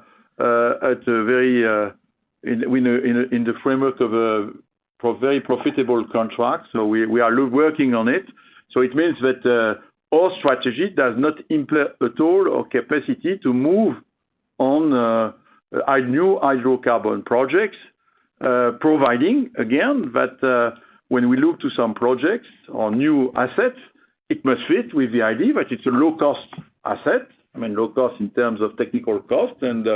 Speaker 2: the framework of a very profitable contract. We are working on it. It means that our strategy does not imply at all our capacity to move on a new hydrocarbon project, providing, again, that when we look to some projects or new assets, it must fit with the idea that it's a low-cost asset. Low cost in terms of technical cost and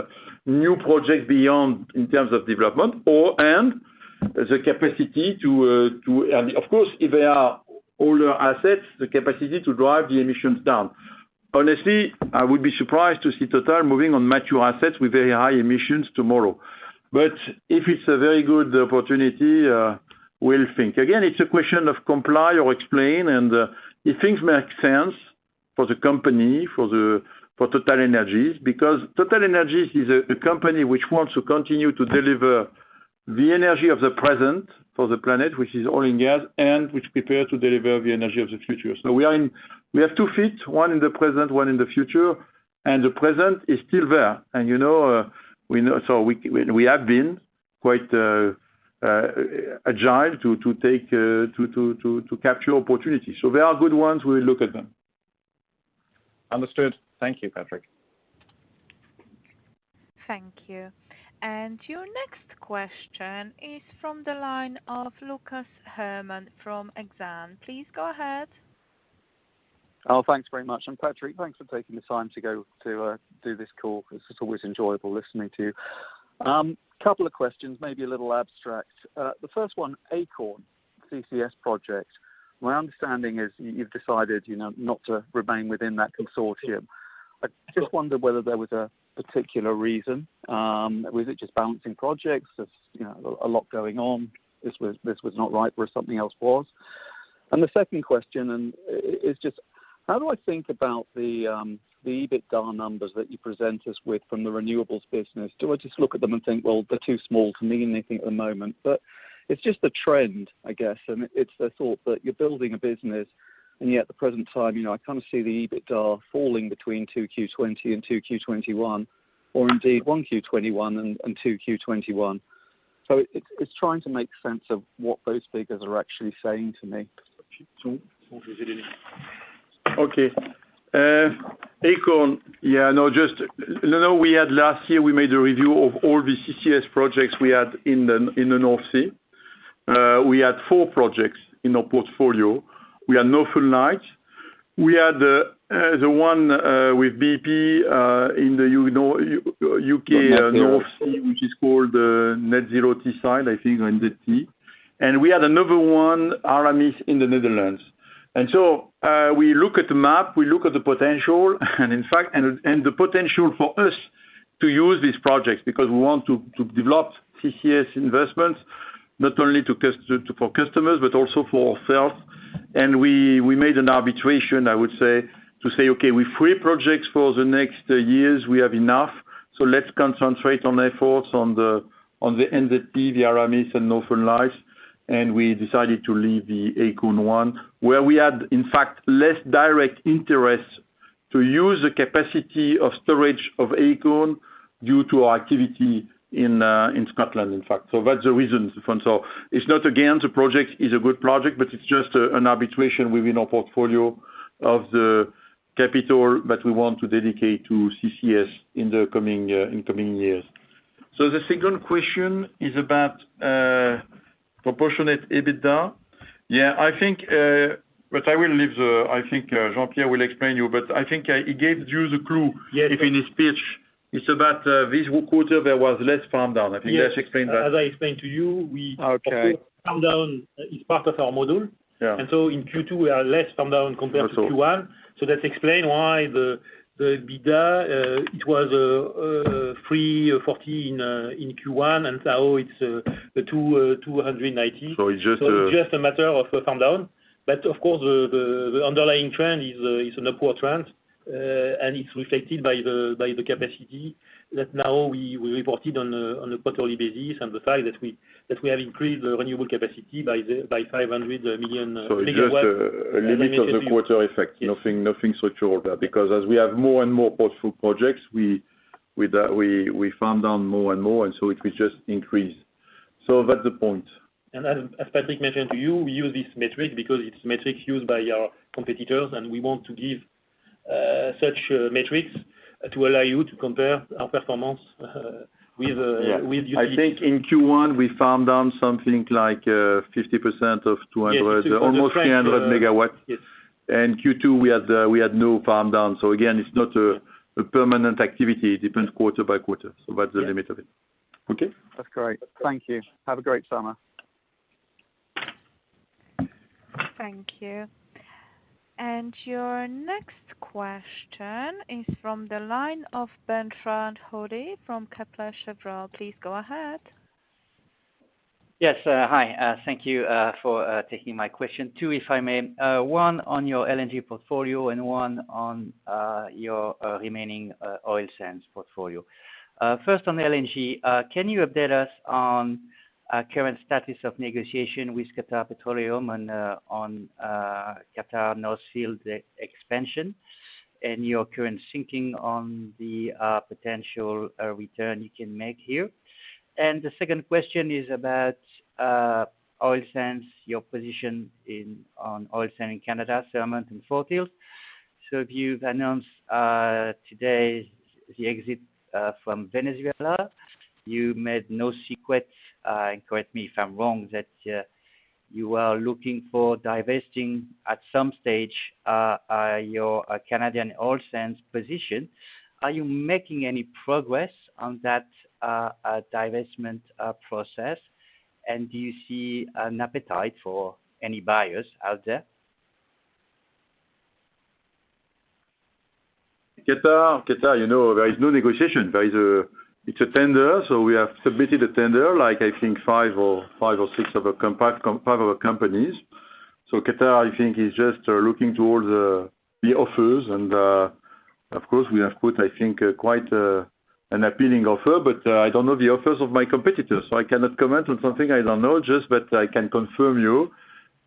Speaker 2: new project beyond in terms of development or and the capacity to. Of course, if they are older assets, the capacity to drive the emissions down. Honestly, I would be surprised to see Total moving on mature assets with very high emissions tomorrow. If it's a very good opportunity, we'll think. Again, it's a question of comply or explain, and if things make sense for the company, for TotalEnergies, because TotalEnergies is a company which wants to continue to deliver the energy of the present for the planet, which is oil and gas, and which prepare to deliver the energy of the future. We have two feet, one in the present, one in the future, and the present is still there. We have been quite agile to capture opportunity. There are good ones, we will look at them.
Speaker 9: Understood. Thank you, Patrick.
Speaker 1: Thank you. Your next question is from the line of Lucas Herrmann from Exane. Please go ahead.
Speaker 10: Oh, thanks very much. Patrick, thanks for taking the time to do this call. It's just always enjoyable listening to you. Couple of questions, maybe a little abstract. The first one, Acorn CCS project. My understanding is you've decided not to remain within that consortium. I just wondered whether there was a particular reason. Was it just balancing projects? There's a lot going on. This was not right where something else was. The second question, how do I think about the EBITDA numbers that you present us with from the renewables business? Do I just look at them and think, well, they're too small to mean anything at the moment. It's just a trend, I guess. It's the thought that you're building a business, and yet at the present time, I see the EBITDA falling between 2Q20 and 2Q21 or indeed 1Q21 and 2Q21. It's trying to make sense of what those figures are actually saying to me.
Speaker 2: Okay. Acorn. Yeah, last year, we made a review of all the CCS projects we had in the North Sea. We had four projects in our portfolio. We had Northern Lights. We had the one with BP, in the UK North Sea, which is called Net Zero Teesside, I think, NZT. We had another one, Aramis in the Netherlands. We look at the map, we look at the potential, and the potential for us to use these projects because we want to develop CCS investments, not only for customers but also for ourselves. We made an arbitration, I would say, to say, "Okay, with three projects for the next years, we have enough. Let's concentrate on efforts on the NZT, the Aramis, and Northern Lights. We decided to leave the Acorn one, where we had, in fact, less direct interest to use the capacity of storage of Acorn due to our activity in Scotland, in fact. That's the reason, Lucas Herrmann. It's not against the project. It's a good project, but it's just an arbitration within our portfolio of the capital that we want to dedicate to CCS in the coming years. The second question is about proportionate EBITDA. I think Jean-Pierre will explain you, but I think he gave you the clue.
Speaker 3: Yes
Speaker 2: in his speech. It's about this quarter, there was less farm-down. I think let's explain that.
Speaker 3: Yes. As I explained to you.
Speaker 2: Okay
Speaker 3: Of course, farm-down is part of our model.
Speaker 2: Yeah.
Speaker 3: In Q2, we are less farm-down compared to Q1.
Speaker 2: That's all.
Speaker 3: That explains why the EBITDA, it was $314 million in Q1, and now it's $290 million.
Speaker 2: So it's just a-
Speaker 3: It's just a matter of a farm-down. Of course, the underlying trend is an upward trend, and it's reflected by the capacity that now we reported on a quarterly basis and the fact that we have increased the renewable capacity by 500MW.
Speaker 2: It's just a limited quarter effect.
Speaker 3: Yes.
Speaker 2: Nothing structural there. As we have more and more portfolio projects, we farm down more and more, and so it will just increase. That's the point.
Speaker 3: As Patrick mentioned to you, we use this metric because it's metrics used by our competitors, and we want to give such metrics to allow you to compare our performance with.
Speaker 2: Yeah. I think in Q1, we farm down something like 50% of 200-
Speaker 3: Yes.
Speaker 2: Almost 300MW.
Speaker 3: Yes.
Speaker 2: Q2, we had no farm down. Again, it's not a permanent activity. It depends quarter by quarter.
Speaker 3: Yes.
Speaker 2: That's the limit of it. Okay?
Speaker 10: That's great. Thank you. Have a great summer.
Speaker 1: Thank you. Your next question is from the line of Bertrand Hodée from Kepler Cheuvreux. Please go ahead.
Speaker 11: Yes. Hi. Thank you for taking my question. Two, if I may. One on your LNG portfolio and one on your remaining oil sands portfolio. First on LNG, can you update us on current status of negotiation with QatarEnergy on Qatar North Field Expansion and your current thinking on the potential return you can make here? The second question is about oil sands, your position on oil sands in Canada, Surmont and Fort Hills. If you've announced today the exit from Venezuela, you made no secret, and correct me if I'm wrong, that you are looking for divesting at some stage, your Canadian oil sands position. Are you making any progress on that divestment process? Do you see an appetite for any buyers out there?
Speaker 2: Qatar, there is no negotiation. It's a tender, so we have submitted a tender, I think five or six of our companies. Qatar, I think is just looking to all the offers and, of course we have put, I think, quite an appealing offer. I don't know the offers of my competitors. I cannot comment on something I don't know. Just that I can confirm you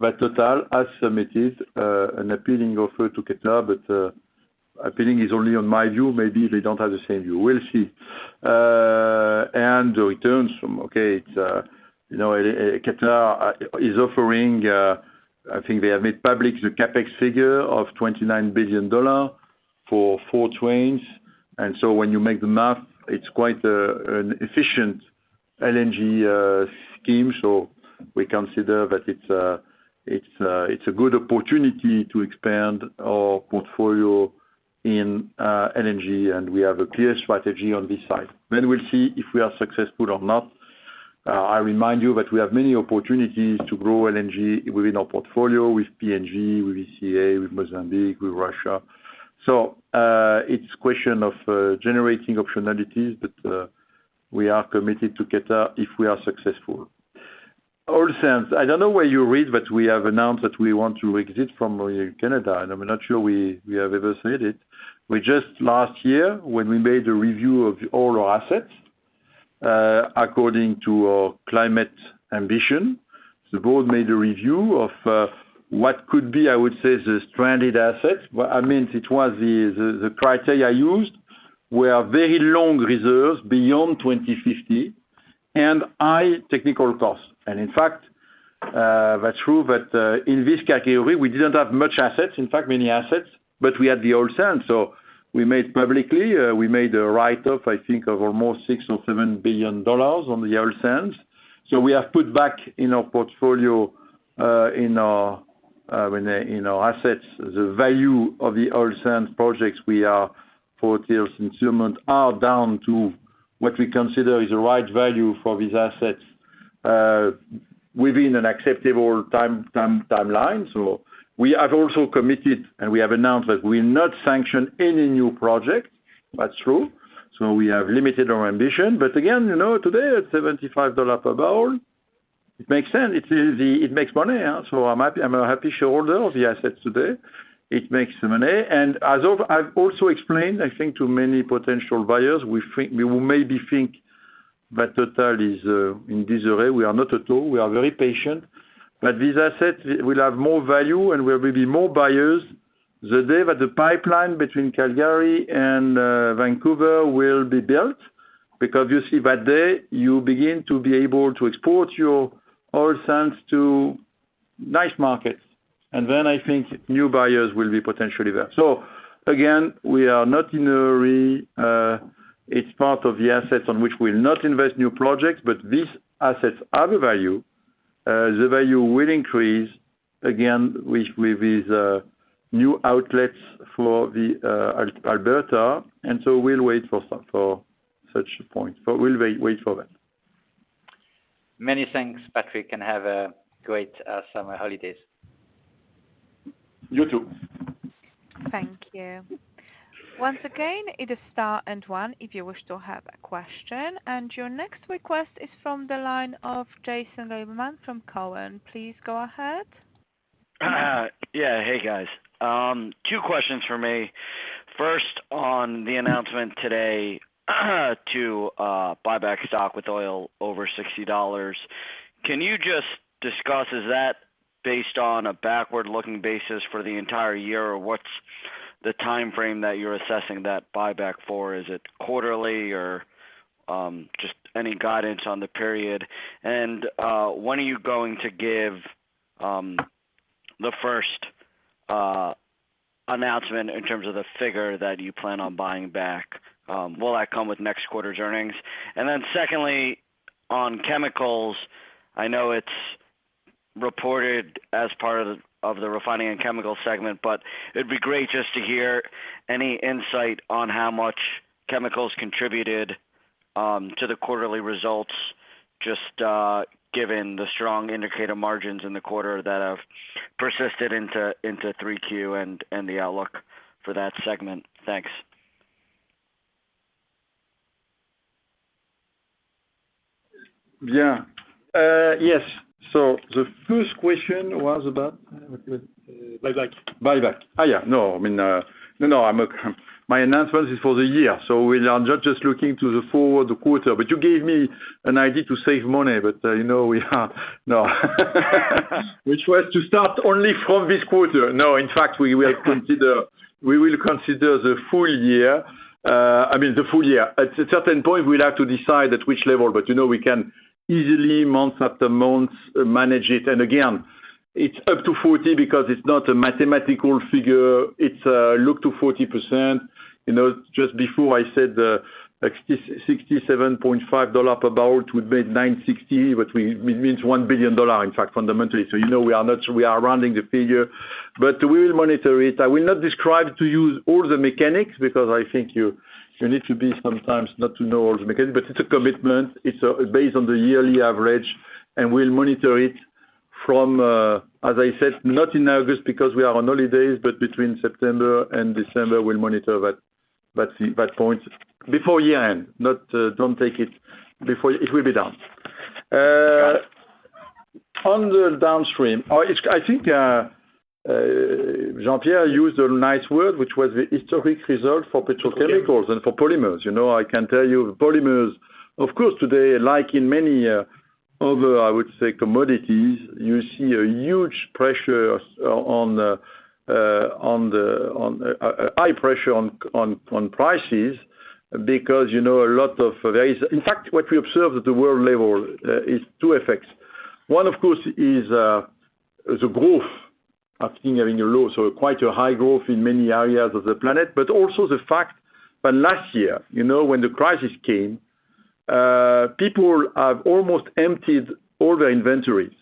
Speaker 2: that Total has submitted an appealing offer to Qatar. Appealing is only on my view. Maybe they don't have the same view. We'll see. The returns from, okay, Qatar is offering, I think they have made public the CapEx figure of $29 billion for four trains. When you make the math, it's quite an efficient LNG scheme. We consider that it's a good opportunity to expand our portfolio in LNG, and we have a clear strategy on this side. We'll see if we are successful or not. I remind you that we have many opportunities to grow LNG within our portfolio with PNG, with ECA, with Mozambique, with Russia. It's question of generating optionalities, but we are committed to Qatar if we are successful. Oil sands, I don't know where you read that we have announced that we want to exit from Canada, and I'm not sure we have ever said it. We just, last year, when we made a review of all our assets, according to our climate ambition, the board made a review of what could be, I would say, the stranded assets. It was the criteria used were very long reserves beyond 2050 and high technical costs. In fact, that's true that in this category, we didn't have many assets, but we had the oil sands. We made publicly a write-off, I think of almost $6 or $7 billion on the oil sands. We have put back in our portfolio in our assets, the value of the oil sands projects we are down to what we consider is the right value for these assets within an acceptable timeline. We have also committed, and we have announced that we'll not sanction any new project. That's true. We have limited our ambition. Again, today at $75 per barrel, it makes sense. It makes money. I'm a happy shareholder of the assets today. It makes money. As I've also explained, I think to many potential buyers, who maybe think that Total is in disarray. We are not at all. We are very patient. These assets will have more value, and there will be more buyers the day that the pipeline between Calgary and Vancouver will be built. You see that day, you begin to be able to export your oil sands to nice markets, and then I think new buyers will be potentially there. Again, we are not in a hurry. It's part of the assets on which we'll not invest new projects, but these assets have a value. The value will increase, again, with these new outlets for Alberta, and so we'll wait for such a point. We'll wait for that.
Speaker 11: Many thanks, Patrick, and have a great summer holidays.
Speaker 2: You, too.
Speaker 1: Thank you. Once again, it is star and one, if you wish to have a question. Your next request is from the line of Jason Gabelman from Cowen. Please go ahead.
Speaker 12: Hey, guys. Two questions from me. First, on the announcement today to buyback stock with oil over $60. Can you just discuss, is that based on a backward-looking basis for the entire year, or what's the timeframe that you're assessing that buyback for? Is it quarterly, or just any guidance on the period? When are you going to give the first announcement in terms of the figure that you plan on buying back? Will that come with next quarter's earnings? Secondly, on chemicals, I know it's reported as part of the Refining & Chemicals segment, but it'd be great just to hear any insight on how much chemicals contributed to the quarterly results, just given the strong indicator margins in the quarter that have persisted into 3Q and the outlook for that segment. Thanks.
Speaker 2: Yeah. Yes. The first question was Buyback. My announcement is for the year. We are not just looking to the forward quarter. You gave me an idea to save money. Which was to start only from this quarter. In fact, we will consider the full year. At a certain point, we'll have to decide at which level, but we can easily, month after month, manage it. Again, it's up to 40% because it's not a mathematical figure. It's look to 40%. Just before I said the $67.50 per barrel to make 960, which means $1 billion, in fact, fundamentally. You know we are rounding the figure. We will monitor it. I will not describe to you all the mechanics, because I think you need to be sometimes not to know all the mechanics, but it's a commitment. It's based on the yearly average, and we'll monitor it from, as I said, not in August because we are on holidays, but between September and December, we'll monitor that point before year-end. It will be down. On the downstream. I think Jean-Pierre used a nice word, which was the historic result for petrochemicals and for polymers. I can tell you polymers, of course, today, like in many other, I would say, commodities, you see high pressure on prices because in fact, what we observe at the world level is two effects. One, of course, is the growth after having a low, so quite a high growth in many areas of the planet, but also the fact that last year, when the crisis came, people have almost emptied all their inventories.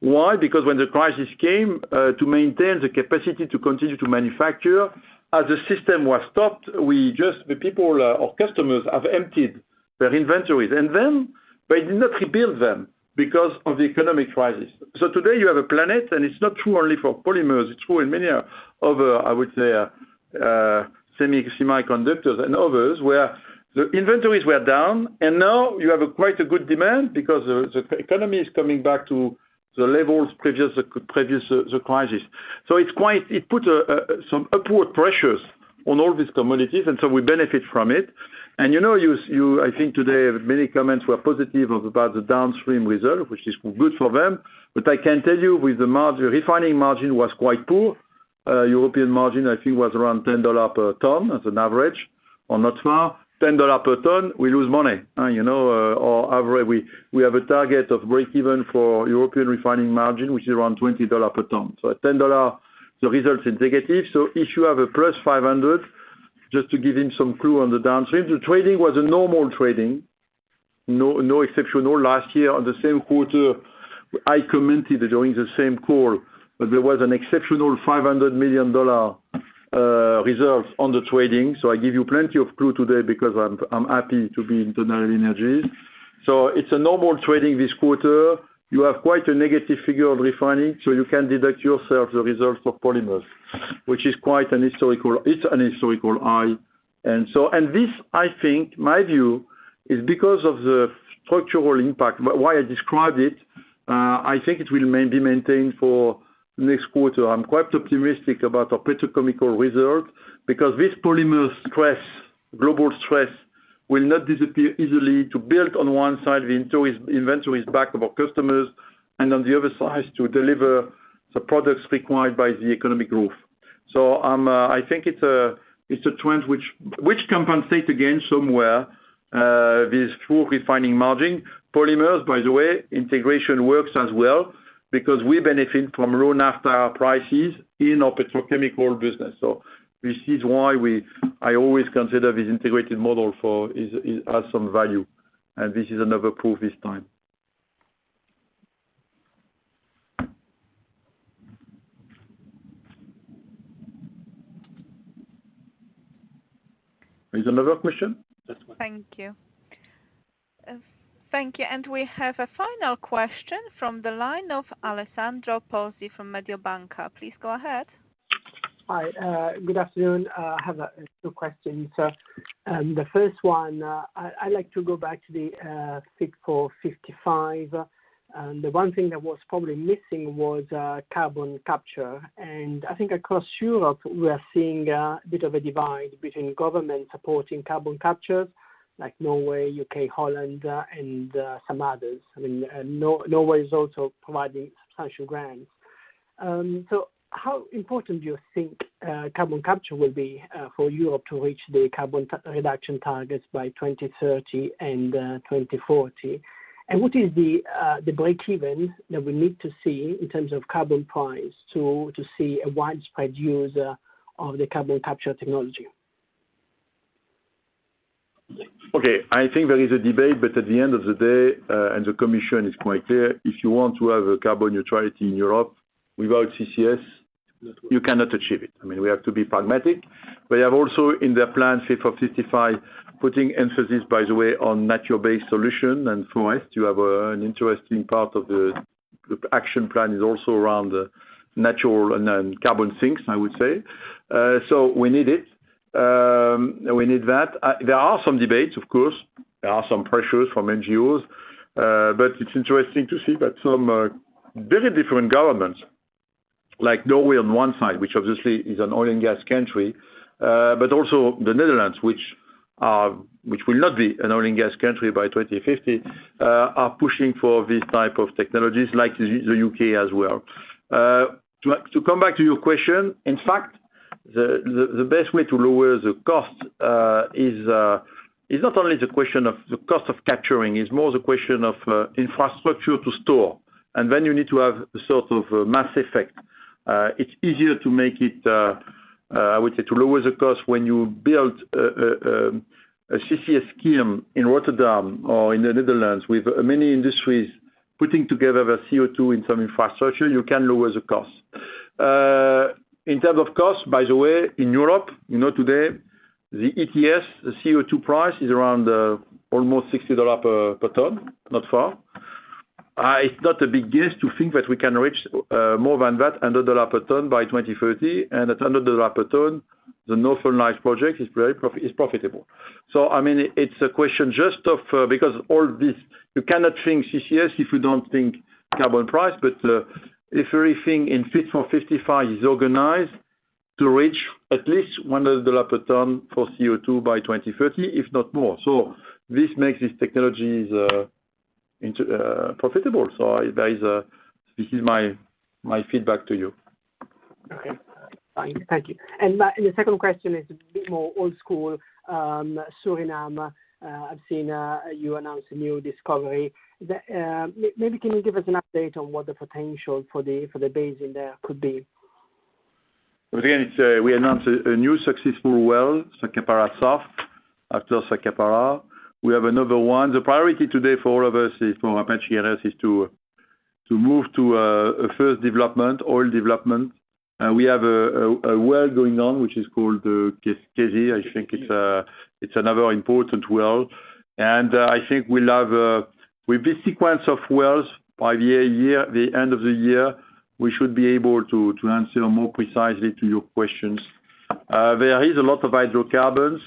Speaker 2: Why? When the crisis came, to maintain the capacity to continue to manufacture, as the system was stopped, our customers have emptied their inventories. They did not rebuild them because of the economic crisis. Today you have a planet, and it's not true only for polymers, it's true in many other, I would say, semiconductors and others, where the inventories were down, and now you have a quite a good demand because the economy is coming back to the levels previous the crisis. It put some upward pressures on all these commodities, and so we benefit from it. I think today many comments were positive about the downstream result, which is good for them. I can tell you with the margin, refining margin was quite poor. European margin, I think, was around $10 per ton as an average, or not far. $10 per ton, we lose money. We have a target of breakeven for European refining margin, which is around $20 per ton. At $10, the result's negative. If you have a plus $500 million, just to give him some clue on the downstream, the trading was a normal trading. No exceptional last year on the same quarter. I commented during the same call that there was an exceptional $500 million reserve on the trading. I give you plenty of clue today because I'm happy to be in TotalEnergies. It's a normal trading this quarter. You have quite a negative figure of refining, so you can deduct yourself the results for polymers, which is quite a historical. It's a historical high. This, I think, my view, is because of the structural impact. Why I described it, I think it will be maintained for next quarter. I'm quite optimistic about our petrochemical reserve because this polymer stress, global stress, will not disappear easily. To build on one side, the inventory is backed by customers, and on the other side, to deliver the products required by the economic growth. I think it's a trend which compensates again somewhere, this full refining margin. Polymers, by the way, integration works as well because we benefit from raw naphtha prices in our petrochemical business. This is why I always consider this integrated model has some value, and this is another proof this time. Is another question?
Speaker 1: Thank you. Thank you. We have a final question from the line of Alessandro Pozzi from Mediobanca. Please go ahead.
Speaker 13: Hi. Good afternoon. I have two questions. The first one, I'd like to go back to the Fit for 55. The one thing that was probably missing was carbon capture. I think across Europe, we are seeing a bit of a divide between government supporting carbon capture, like Norway, UK, Holland, and some others. Norway is also providing substantial grants. How important do you think carbon capture will be for Europe to reach the carbon reduction targets by 2030 and 2040? What is the breakeven that we need to see in terms of carbon price to see a widespread use of the carbon capture technology?
Speaker 2: Okay. I think there is a debate, but at the end of the day, the commission is quite clear, if you want to have carbon neutrality in Europe, without CCS, you cannot achieve it. We have to be pragmatic. They have also in their plan, Fit for 55, putting emphasis, by the way, on nature-based solution. For us, to have an interesting part of the action plan is also around the natural and carbon sinks, I would say. We need it. We need that. There are some debates, of course. There are some pressures from NGOs. It's interesting to see that some very different governments, like Norway on one side, which obviously is an oil and gas country, but also the Netherlands, which will not be an oil and gas country by 2050, are pushing for these type of technologies, like the UK as well. To come back to your question, in fact, the best way to lower the cost is not only the question of the cost of capturing, it's more the question of infrastructure to store. You need to have a sort of mass effect. It's easier to make it, I would say, to lower the cost when you build a CCS scheme in Rotterdam or in the Netherlands with many industries putting together the CO2 in some infrastructure, you can lower the cost. In term of cost, by the way, in Europe, today, the ETS, the CO2 price is around almost $60 per ton, not far. It's not a big guess to think that we can reach more than that, $100 a ton by 2030, and at $100 a ton, the Northern Lights project is profitable. It's a question just of, because all this, you cannot think CCS if you don't think carbon price, but if everything in Fit for 55 is organized to reach at least $100 a ton for CO2 by 2030, if not more. This makes these technologies profitable. This is my feedback to you.
Speaker 13: Okay. Fine. Thank you. The second question is a bit more old school. Suriname, I've seen you announce a new discovery. Maybe can you give us an update on what the potential for the basin there could be?
Speaker 2: Again, we announced a new successful well, Sapakara South after Sapakara. We have another one. The priority today for all of us is for Apache and us is to move to a first oil development. We have a well going on, which is called Keskesi. I think it's another important well. I think with this sequence of wells, by the end of the year, we should be able to answer more precisely to your questions. There is a lot of hydrocarbons.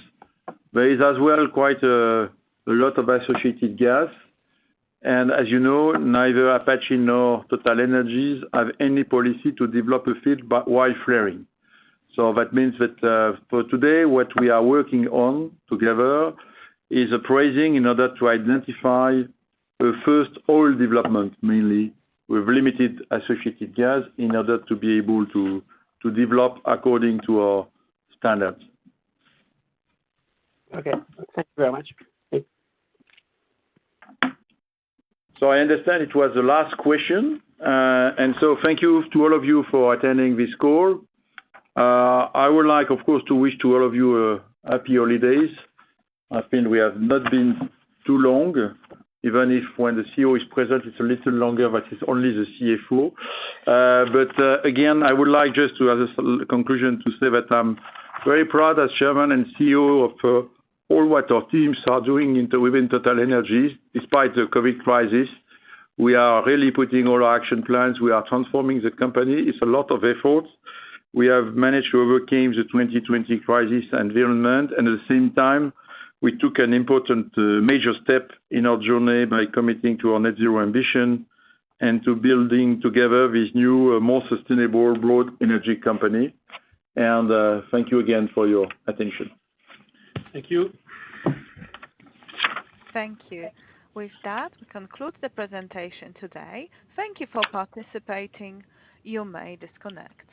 Speaker 2: There is as well quite a lot of associated gas. As you know, neither Apache nor TotalEnergies have any policy to develop a field while flaring. That means that for today, what we are working on together is appraising in order to identify the first oil development, mainly with limited associated gas, in order to be able to develop according to our standards.
Speaker 13: Okay. Thank you very much.
Speaker 2: I understand it was the last question. Thank you to all of you for attending this call. I would like, of course, to wish to all of you happy holidays. I think we have not been too long, even if when the CEO is present, it's a little longer, but it's only the CFO. Again, I would like just to, as a conclusion, to say that I'm very proud as Chairman and CEO of all what our teams are doing within TotalEnergies despite the COVID crisis. We are really putting all our action plans. We are transforming the company. It's a lot of effort. We have managed to overcame the 2020 crisis environment, and at the same time, we took an important major step in our journey by committing to our net zero ambition and to building together this new, more sustainable broad energy company. Thank you again for your attention.
Speaker 1: Thank you. Thank you. With that, we conclude the presentation today. Thank you for participating. You may disconnect.